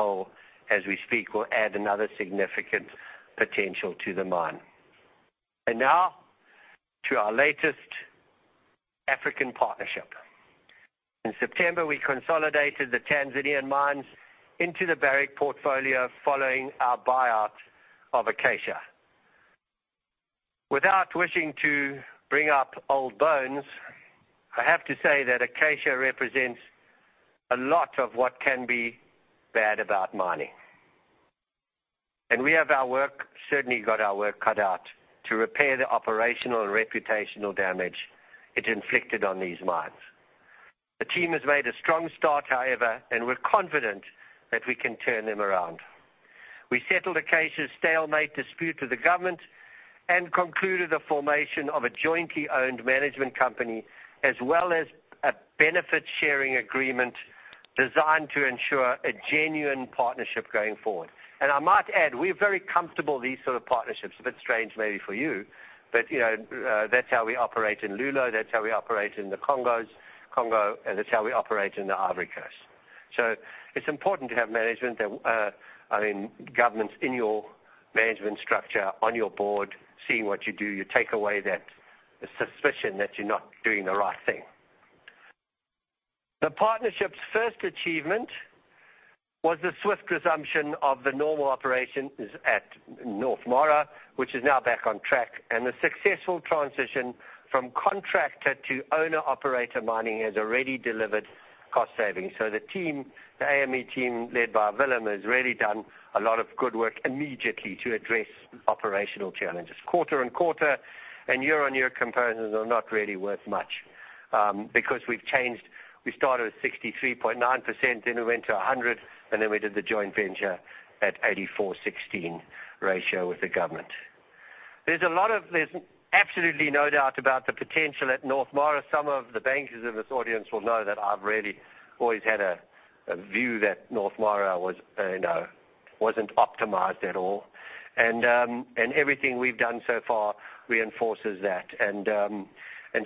hole as we speak, will add another significant potential to the mine. Now to our latest African partnership. In September, we consolidated the Tanzanian mines into the Barrick portfolio following our buyout of Acacia. Without wishing to bring up old bones, I have to say that Acacia represents a lot of what can be bad about mining. We have certainly got our work cut out to repair the operational and reputational damage it inflicted on these mines. The team has made a strong start, however, and we're confident that we can turn them around. We settled Acacia's stalemate dispute with the government and concluded the formation of a jointly-owned management company, as well as a benefit sharing agreement designed to ensure a genuine partnership going forward. I might add, we're very comfortable with these sort of partnerships. A bit strange maybe for you, but that's how we operate in Loulo, that's how we operate in the Congo, and that's how we operate in the Ivory Coast. It's important to have governments in your management structure on your Board, seeing what you do. You take away that suspicion that you're not doing the right thing. The partnership's first achievement was the swift resumption of the normal operations at North Mara, which is now back on track, and the successful transition from contractor to owner/operator mining has already delivered cost savings. The AME team led by Willem has really done a lot of good work immediately to address operational challenges. Quarter-on-quarter and year-on-year comparisons are not really worth much, because we've changed. We started with 63.9%, then we went to 100%, and then we did the joint venture at 84/16 ratio with the government. There's absolutely no doubt about the potential at North Mara. Some of the bankers in this audience will know that I've really always had a view that North Mara wasn't optimized at all. Everything we've done so far reinforces that.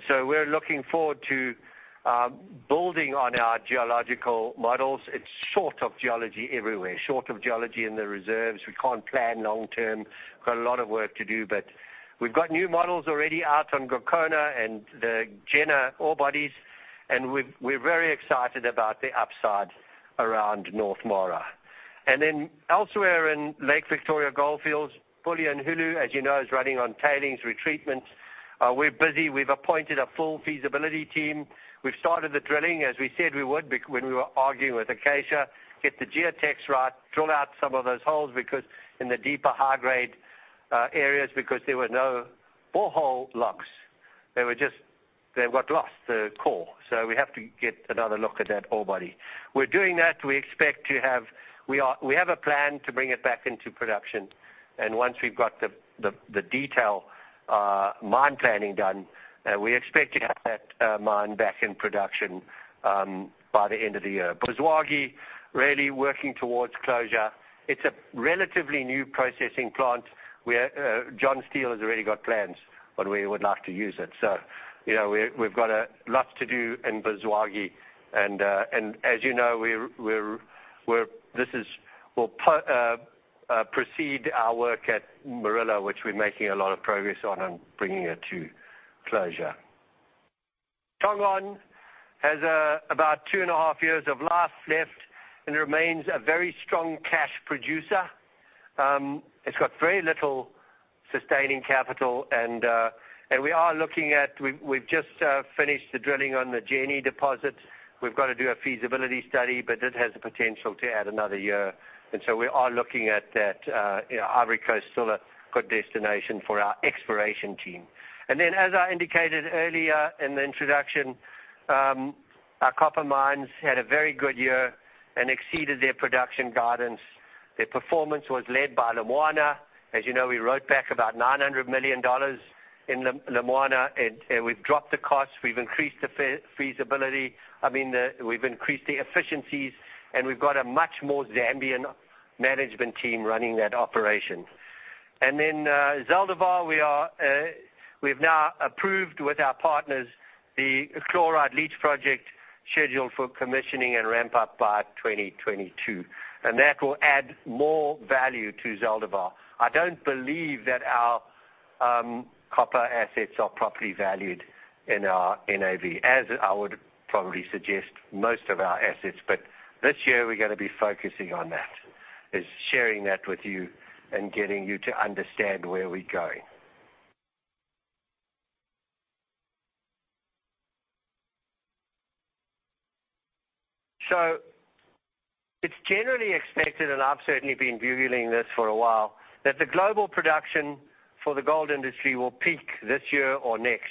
We're looking forward to building on our geological models. It's short of geology everywhere, short of geology in the reserves. We can't plan long-term. We've got a lot of work to do, but we've got new models already out on Gokona and the Gena ore bodies, and we're very excited about the upside around North Mara. Elsewhere in Lake Victoria Goldfields, Bulyanhulu, as you know, is running on tailings retreatments. We're busy. We've appointed a full feasibility team. We've started the drilling, as we said we would be when we were arguing with Acacia, get the geotech right, drill out some of those holes in the deeper, high-grade areas, because there were no borehole logs. They got lost, the core. We have to get another look at that ore body. We're doing that. We have a plan to bring it back into production, and once we've got the detail mine planning done, we expect to have that mine back in production by the end of the year. Buzwagi, really working towards closure. It's a relatively new processing plant where Jon Steele has already got plans, but we would like to use it. We've got lots to do in Buzwagi. As you know, this will precede our work at Murillo, which we're making a lot of progress on bringing it to closure. Tongon has about two and a half years of life left and remains a very strong cash producer. It's got very little sustaining capital. We've just finished the drilling on the Djeni deposit. We've got to do a feasibility study, but it has the potential to add one year. We are looking at that Ivory Coast, still a good destination for our exploration team. As I indicated earlier in the introduction, our copper mines had a very good year and exceeded their production guidance. Their performance was led by Lumwana. As you know, we wrote back about $900 million in Lumwana, and we've dropped the cost. We've increased the efficiencies, and we've got a much more Zambian management team running that operation. Zaldívar, we've now approved with our partners the chloride leach project scheduled for commissioning and ramp up by 2022, and that will add more value to Zaldívar. I don't believe that our copper assets are properly valued in our NAV, as I would probably suggest most of our assets. This year we're going to be focusing on that, is sharing that with you and getting you to understand where we're going. It's generally expected, and I've certainly been bugling this for a while, that the global production for the gold industry will peak this year or next,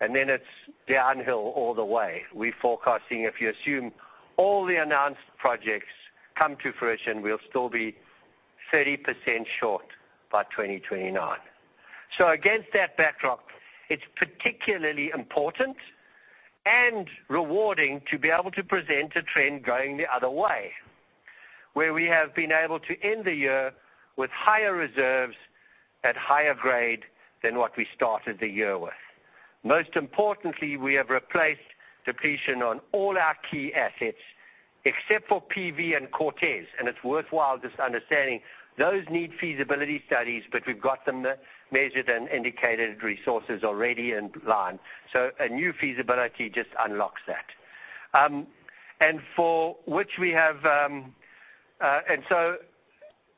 and then it's downhill all the way. We're forecasting, if you assume all the announced projects come to fruition, we'll still be 30% short by 2029. Against that backdrop, it's particularly important and rewarding to be able to present a trend going the other way, where we have been able to end the year with higher reserves at higher grade than what we started the year with. Most importantly, we have replaced depletion on all our key assets except for PV and Cortez. It's worthwhile just understanding, those need feasibility studies, but we've got the Measured and Indicated resources already in line. A new feasibility just unlocks that.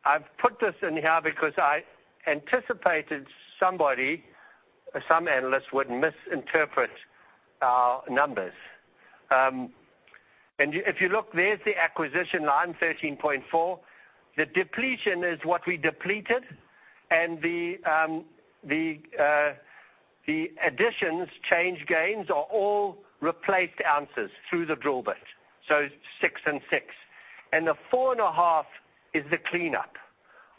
I've put this in here because I anticipated some analysts would misinterpret our numbers. If you look, there's the acquisition line 13.4 million ounces. The depletion is what we depleted, the additions, change gains are all replaced ounces through the drill bit, so 6 million ounces and 6 million ounces. The 4.5 million ounces is the cleanup.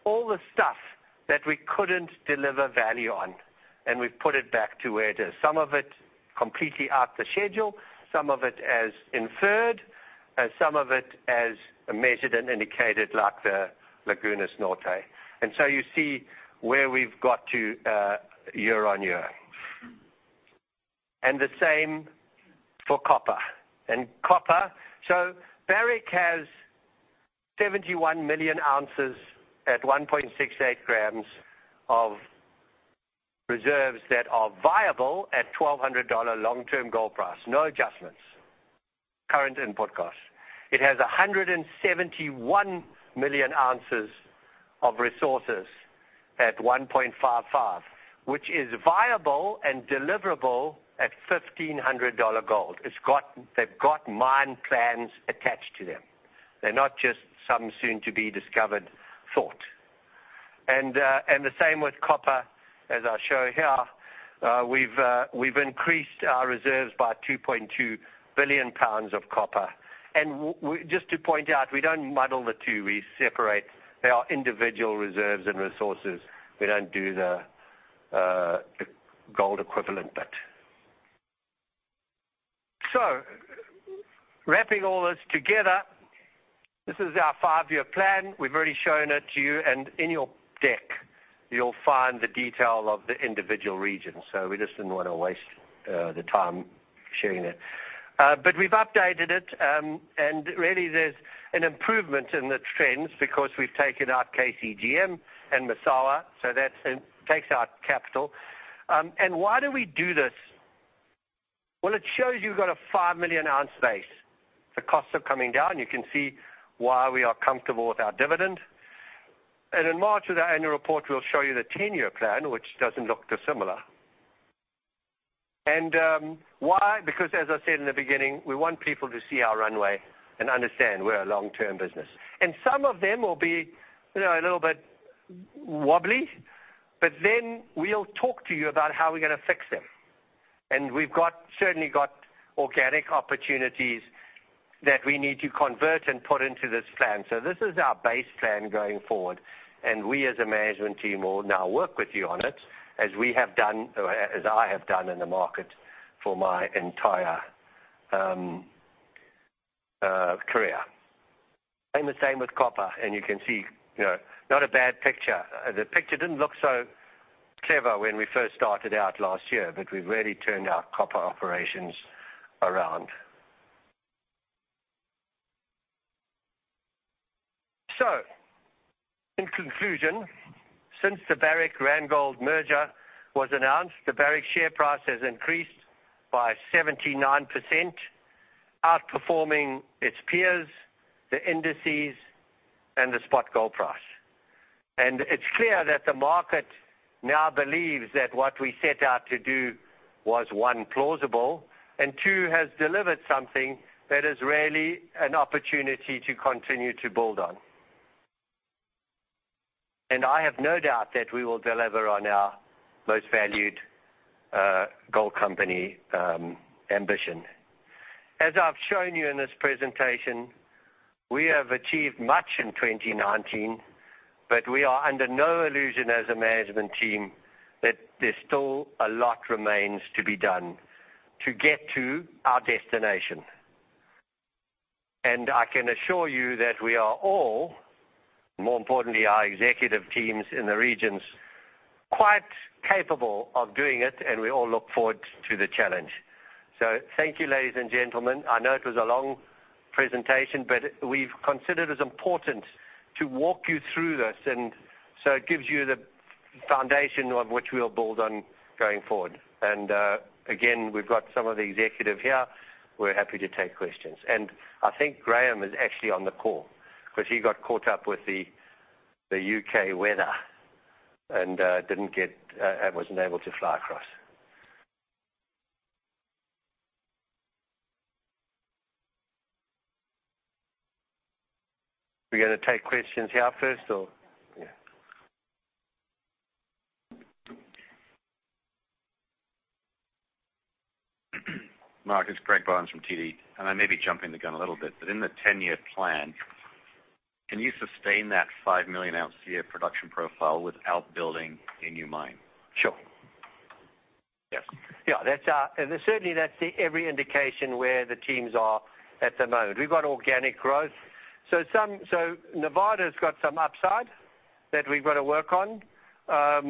All the stuff that we couldn't deliver value on, and we've put it back to where it is. Some of it completely out the schedule, some of it as inferred, and some of it as measured and indicated like the Lagunas Norte. You see where we've got to year-on-year. The same for copper. Copper, so Barrick has 71 million ounces at 1.68 grams of reserves that are viable at $1,200 long-term gold price. No adjustments, current input costs. It has 171 million ounces of resources at 1.55 grams per tonne, which is viable and deliverable at $1,500 gold. They've got mine plans attached to them. They're not just some soon-to-be-discovered thought. The same with copper, as I show here. We've increased our reserves by 2.2 billion pounds of copper. Just to point out, we don't muddle the two, we separate our individual reserves and resources. We don't do the gold equivalent bit. Wrapping all this together, this is our five-year plan. We've already shown it to you, and in your deck you'll find the detail of the individual regions. We just didn't want to waste the time sharing it. We've updated it, and really there's an improvement in the trends because we've taken out KCGM and Massawa, so that takes out capital. Why do we do this? Well, it shows you've got a 5 million ounce base. The costs are coming down. You can see why we are comfortable with our dividend. In March, with our annual report, we'll show you the 10-year plan, which doesn't look too similar. Why? Because as I said in the beginning, we want people to see our runway and understand we're a long-term business. Some of them will be a little bit wobbly, but then we'll talk to you about how we're going to fix them. We've certainly got organic opportunities that we need to convert and put into this plan. This is our base plan going forward, and we as a management team will now work with you on it, as I have done in the market for my entire career. The same with copper, and you can see, not a bad picture. The picture didn't look so clever when we first started out last year, but we've really turned our copper operations around. In conclusion, since the Barrick-Randgold merger was announced, the Barrick share price has increased by 79%, outperforming its peers, the indices, and the spot gold price. It's clear that the market now believes that what we set out to do was, one, plausible, and two, has delivered something that is really an opportunity to continue to build on. I have no doubt that we will deliver on our most valued gold company ambition. As I've shown you in this presentation, we have achieved much in 2019, but we are under no illusion as a management team that there's still a lot remains to be done to get to our destination. I can assure you that we are all, more importantly, our executive teams in the regions, quite capable of doing it, and we all look forward to the challenge. Thank you, ladies and gentlemen. I know it was a long presentation, but we've considered it important to walk you through this, and so it gives you the foundation on which we'll build on going forward. Again, we've got some of the executive here. We're happy to take questions. I think Graham is actually on the call because he got caught up with the U.K. weather and wasn't able to fly across. We're going to take questions here first or yeah? Mark, it's Greg Barnes from TD. I may be jumping the gun a little bit, but in the 10-year plan, can you sustain that 5 million ounce a year production profile without building a new mine? Sure. Yes. Yeah. Certainly that's every indication where the teams are at the moment. Nevada's got some upside that we've got to work on. I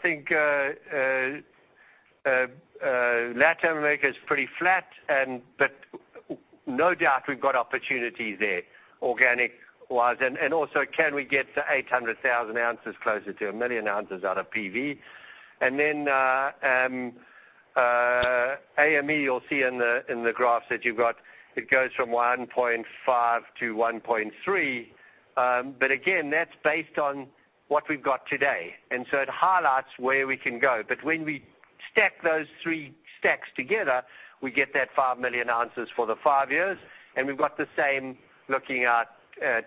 think Latin America is pretty flat, no doubt we've got opportunities there organic-wise. Can we get to 800,000 ounces, closer to 1 million ounces out of PV? AME, you'll see in the graphs that you've got, it goes from 1.5 million ounces to 1.3 million ounces. Again, that's based on what we've got today. It highlights where we can go. When we stack those three stacks together, we get that 5 million ounces for the five years, and we've got the same looking at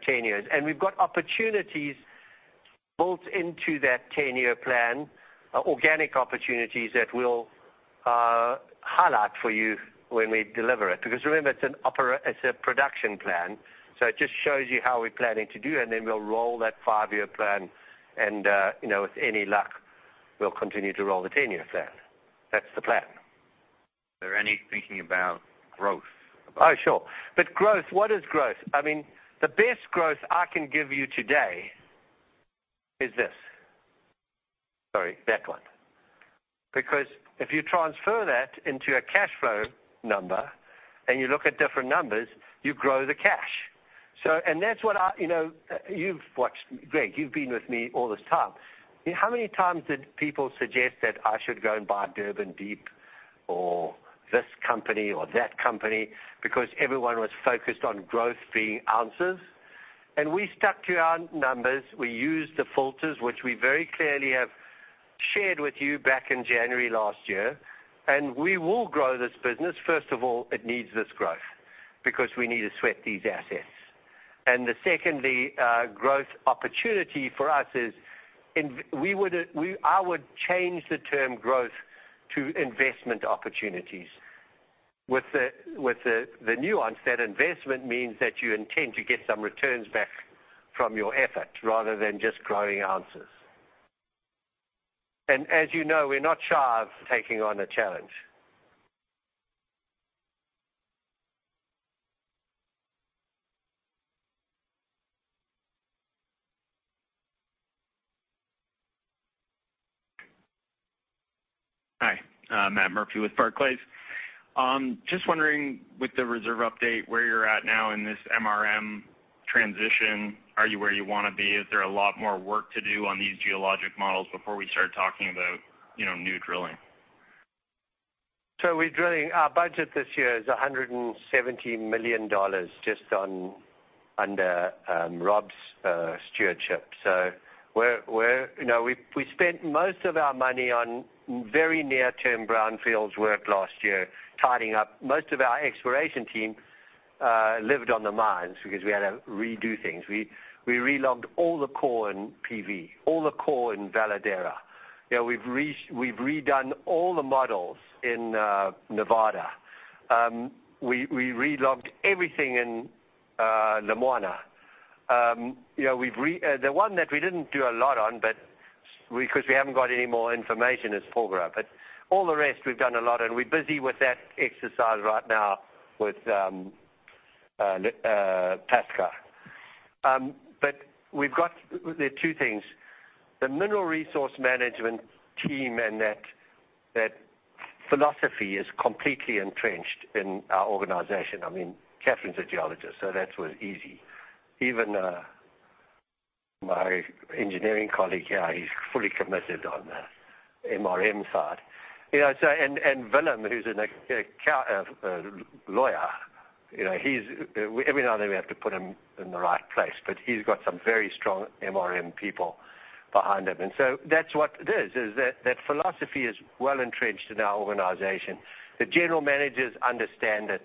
10 years. We've got opportunities built into that 10-year plan, organic opportunities that we'll highlight for you when we deliver it. Remember, it's a production plan, so it just shows you how we're planning to do, and then we'll roll that five-year plan, and with any luck, we'll continue to roll the 10-year plan. That's the plan. Is there any thinking about growth? Oh, sure. Growth, what is growth? The best growth I can give you today is this. Sorry, that one. If you transfer that into a cash flow number and you look at different numbers, you grow the cash. You've watched, Greg, you've been with me all this time. How many times did people suggest that I should go and buy Durban Deep or this company or that company because everyone was focused on growth being ounces? We stuck to our numbers. We used the filters, which we very clearly have shared with you back in January last year, and we will grow this business. First of all, it needs this growth because we need to sweat these assets. The second growth opportunity for us is, I would change the term growth to investment opportunities with the nuance that investment means that you intend to get some returns back from your effort rather than just growing ounces. As you know, we're not shy of taking on a challenge. Hi, Matthew Murphy with Barclays. Just wondering with the reserve update, where you're at now in this MRM transition, are you where you want to be? Is there a lot more work to do on these geologic models before we start talking about new drilling? We're drilling. Our budget this year is $170 million just under Rob's stewardship. We spent most of our money on very near-term brownfields work last year, tidying up. Most of our exploration team lived on the mines because we had to redo things. We re-logged all the core in PV, all the core in Veladero. We've redone all the models in Nevada. We re-logged everything in Lumwana. The one that we didn't do a lot on because we haven't got any more information is Porgera. All the rest we've done a lot, and we're busy with that exercise right now with Pascua. There are two things. The mineral resource management team and that philosophy is completely entrenched in our organization. Catherine's a geologist. That was easy. Even my engineering colleague here, he's fully committed on the MRM side. Willem, who's a lawyer, every now and then we have to put him in the right place, but he's got some very strong MRM people behind him. That's what it is that philosophy is well-entrenched in our organization. The general managers understand it.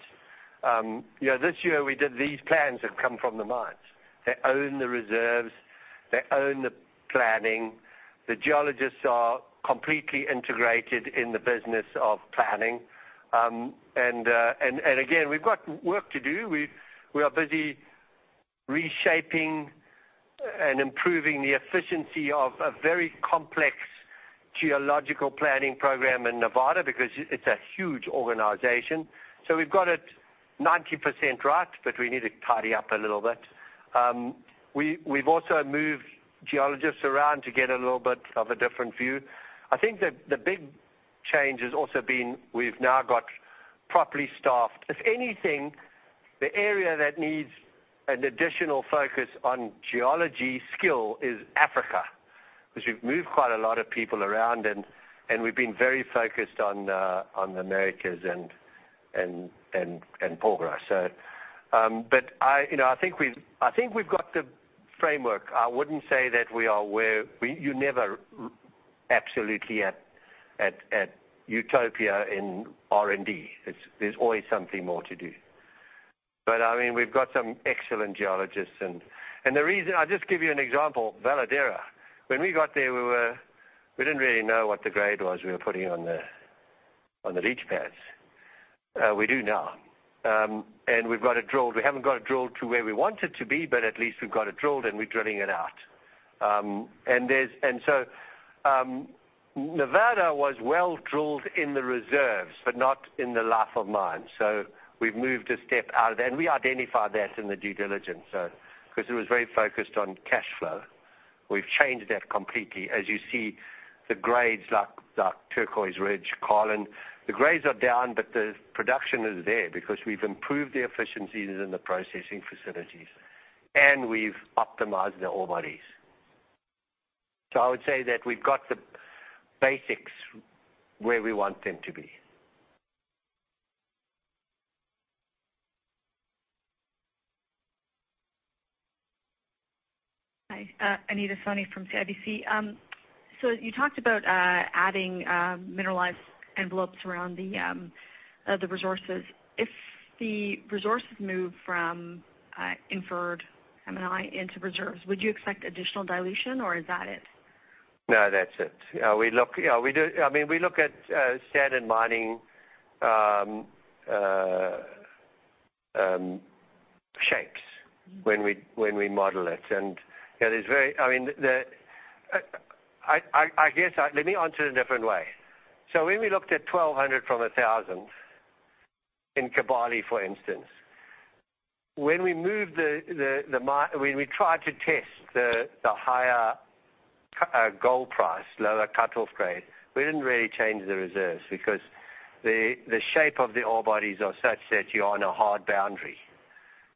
This year these plans have come from the mines. They own the reserves. They own the planning. The geologists are completely integrated in the business of planning. Again, we've got work to do. We are busy reshaping and improving the efficiency of a very complex geological planning program in Nevada because it's a huge organization. We've got it 90% right, but we need to tidy up a little bit. We've also moved geologists around to get a little bit of a different view. I think the big change has also been we've now got properly staffed. If anything, the area that needs an additional focus on geology skill is Africa, because we've moved quite a lot of people around, and we've been very focused on the Americas and Porgera. I think we've got the framework. I wouldn't say that we are. You're never absolutely at utopia in R&D. There's always something more to do. We've got some excellent geologists. The reason, I'll just give you an example, Veladero. When we got there, we didn't really know what the grade was we were putting on the leach pads. We do now. We've got it drilled. We haven't got it drilled to where we want it to be, but at least we've got it drilled and we're drilling it out. Nevada was well-drilled in the reserves, but not in the life-of-mine. We've moved a step out of there, and we identified that in the due diligence, because it was very focused on cash flow. We've changed that completely. As you see, the grades like Turquoise Ridge, Carlin, the grades are down, but the production is there because we've improved the efficiencies in the processing facilities and we've optimized the ore bodies. I would say that we've got the basics where we want them to be. Hi. Anita Soni from CIBC. You talked about adding mineralized envelopes around the resources. If the resources move from inferred M&I into reserves, would you expect additional dilution or is that it? No, that's it. We look at standard mining shapes when we model it, and let me answer it a different way. When we looked at 1$,200 from $1,000 in Kibali, for instance, when we tried to test the higher gold price, lower cut-off grade, we didn't really change the reserves because the shape of the ore bodies are such that you're on a hard boundary.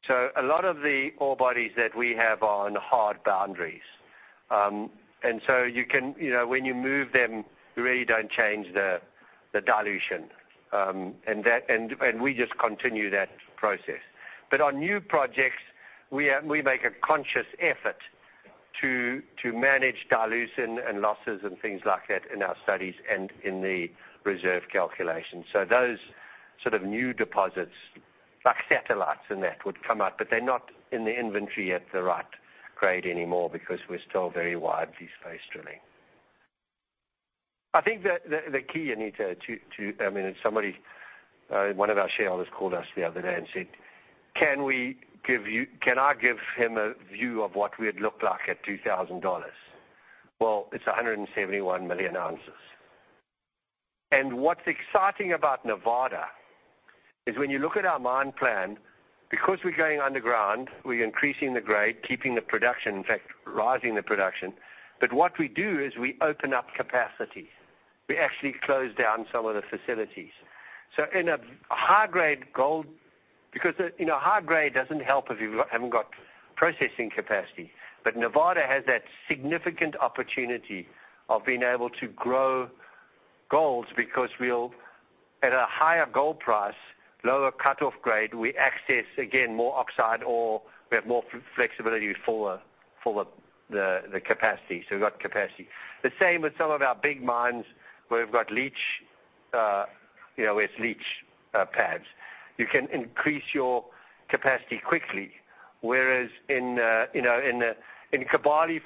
A lot of the ore bodies that we have are on hard boundaries. When you move them, you really don't change the dilution. We just continue that process. On new projects, we make a conscious effort to manage dilution and losses and things like that in our studies and in the reserve calculation. Those sort of new deposits, like satellites and that would come out, but they're not in the inventory at the right grade anymore because we're still very widely space drilling. I think the key, Anita, somebody, one of our shareholders called us the other day and said, "Can I give him a view of what we'd look like at $2,000?" It's 171 million ounces. What's exciting about Nevada is when you look at our mine plan, because we're going underground, we're increasing the grade, keeping the production, in fact, rising the production. What we do is we open up capacity. We actually close down some of the facilities. In a high-grade because high-grade doesn't help if you haven't got processing capacity. Nevada has that significant opportunity of being able to grow gold because at a higher gold price, lower cut-off grade, we access, again, more oxide, or we have more flexibility for the capacity. We've got capacity. The same with some of our big mines where we've got leach pads. You can increase your capacity quickly, whereas in Kibali,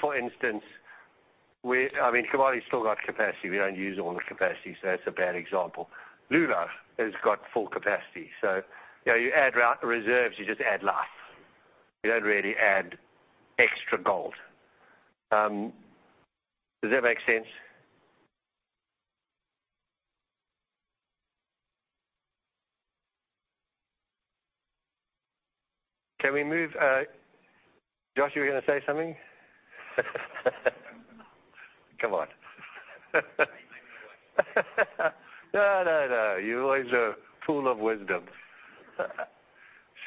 for instance, Kibali's still got capacity. We don't use all the capacity, so that's a bad example. Loulo has got full capacity. You add reserves, you just add life. You don't really add extra gold. Does that make sense? Josh, you were going to say something? Come on. You make me blush. No, you're always a pool of wisdom.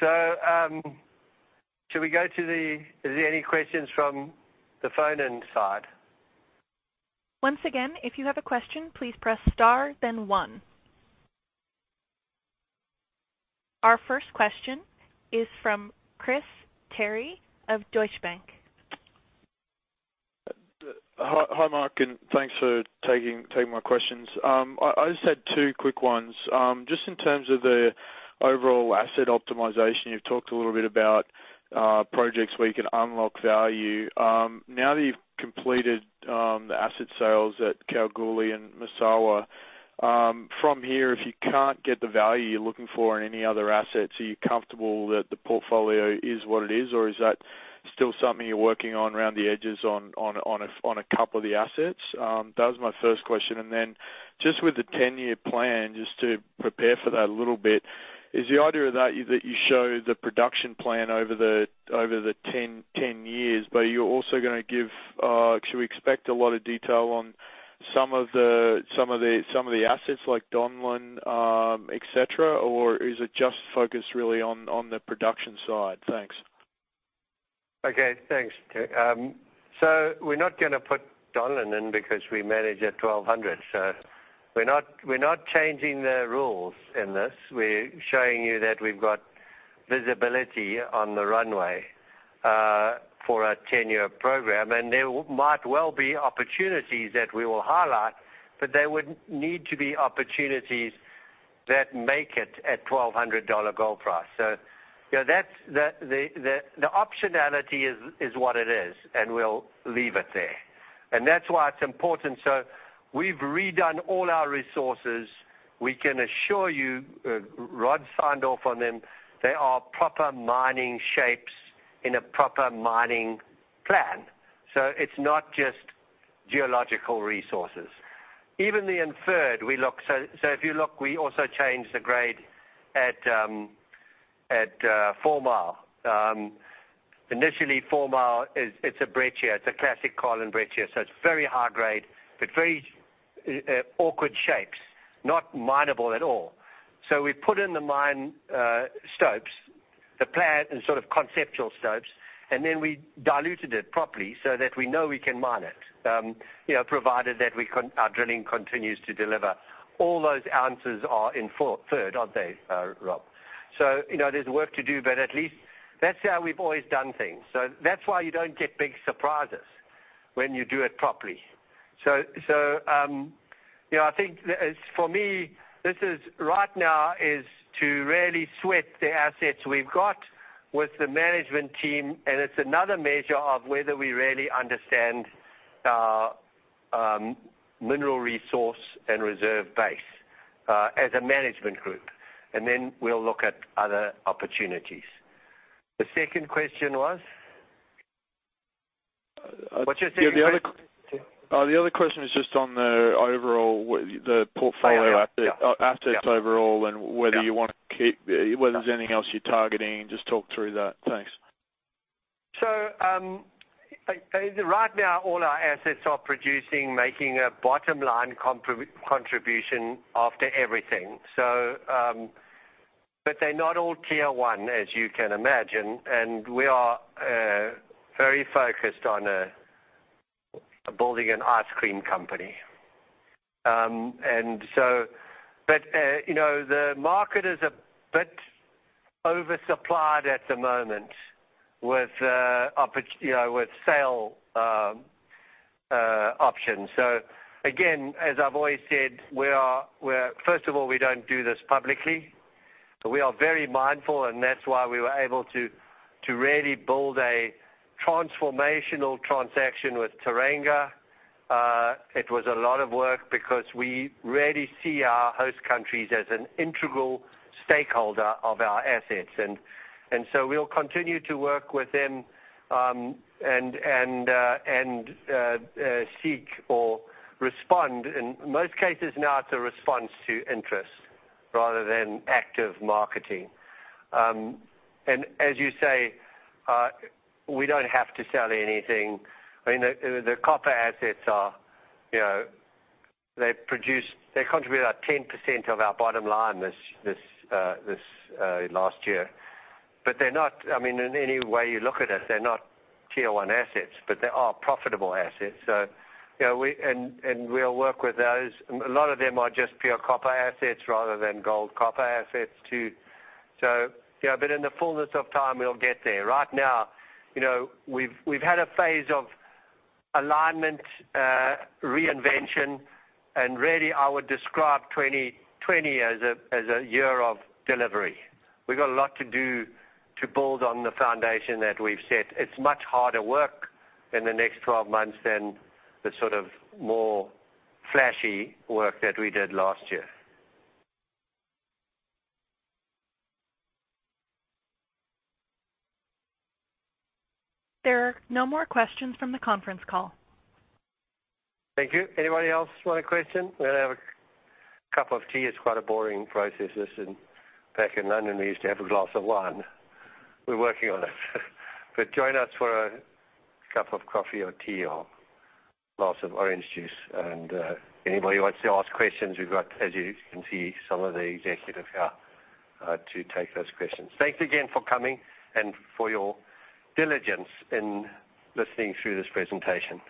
Is there any questions from the phone-in side? Once again, if you have a question, please press star then one. Our first question is from Chris Terry of Deutsche Bank. Hi, Mark, and thanks for taking my questions. I just had two quick ones. Just in terms of the overall asset optimization, you've talked a little bit about projects where you can unlock value. Now that you've completed the asset sales at Kalgoorlie and Massawa, from here, if you can't get the value you're looking for in any other assets, are you comfortable that the portfolio is what it is? Or is that still something you're working on around the edges on a couple of the assets? That was my first question. Then just with the 10-year plan, just to prepare for that a little bit, is the idea of that is that you show the production plan over the 10 years, but should we expect a lot of detail on some of the assets like Donlin, et cetera? Is it just focused really on the production side? Thanks. Okay. Thanks. We're not going to put Donlin in because we manage at $1,200. We're not changing the rules in this. We're showing you that we've got visibility on the runway for a 10-year program, and there might well be opportunities that we will highlight, but they would need to be opportunities that make it at $1,200 gold price. The optionality is what it is, and we'll leave it there. That's why it's important. We've redone all our resources. We can assure you, Rob signed off on them. They are proper mining shapes in a proper mining plan. It's not just geological resources. Even the inferred, if you look, we also changed the grade at Fourmile. Initially, Fourmile, it's a breccia. It's a classic Carlin breccia. It's very high-grade, but very awkward shapes. Not mineable at all. We put in the mine stopes, the plan and sort of conceptual stopes, and then we diluted it properly so that we know we can mine it, provided that our drilling continues to deliver. All those ounces are inferred, aren't they, Rob? There's work to do, but at least that's how we've always done things. That's why you don't get big surprises when you do it properly. I think for me, this is right now is to really sweat the assets we've got with the management team, and it's another measure of whether we really understand our mineral resource and reserve base, as a management group. Then we'll look at other opportunities. The second question was? What's your second question? The other question is just on the overall, the portfolio? Oh, yeah. Assets overall- Yeah. Whether there's anything else you're targeting, just talk through that. Thanks. Right now, all our assets are producing, making a bottom-line contribution after everything. They're not all tier one, as you can imagine, and we are very focused on building an ice cream company. The market is a bit oversupplied at the moment with sale options. Again, as I've always said, first of all, we don't do this publicly. We are very mindful, and that's why we were able to really build a transformational transaction with Teranga. It was a lot of work because we really see our host countries as an integral stakeholder of our assets. We'll continue to work with them, and seek or respond. In most cases now, it's a response to interest rather than active marketing. As you say, we don't have to sell anything. I mean, the copper assets contribute about 10% of our bottom line this last year. They're not, I mean, in any way you look at it, they're not tier one assets, but they are profitable assets. We'll work with those. A lot of them are just pure copper assets rather than gold-copper assets, too. In the fullness of time, we'll get there. Right now, we've had a phase of alignment, reinvention, and really I would describe 2020 as a year of delivery. We've got a lot to do to build on the foundation that we've set. It's much harder work in the next 12 months than the sort of more flashy work that we did last year. There are no more questions from the conference call. Thank you. Anybody else want a question? We're going to have a cup of tea. It's quite a boring process. Listen, back in London, we used to have a glass of wine. We're working on it. Join us for a cup of coffee or tea or glass of orange juice. Anybody wants to ask questions, we've got, as you can see, some of the executive here to take those questions. Thanks again for coming and for your diligence in listening through this presentation.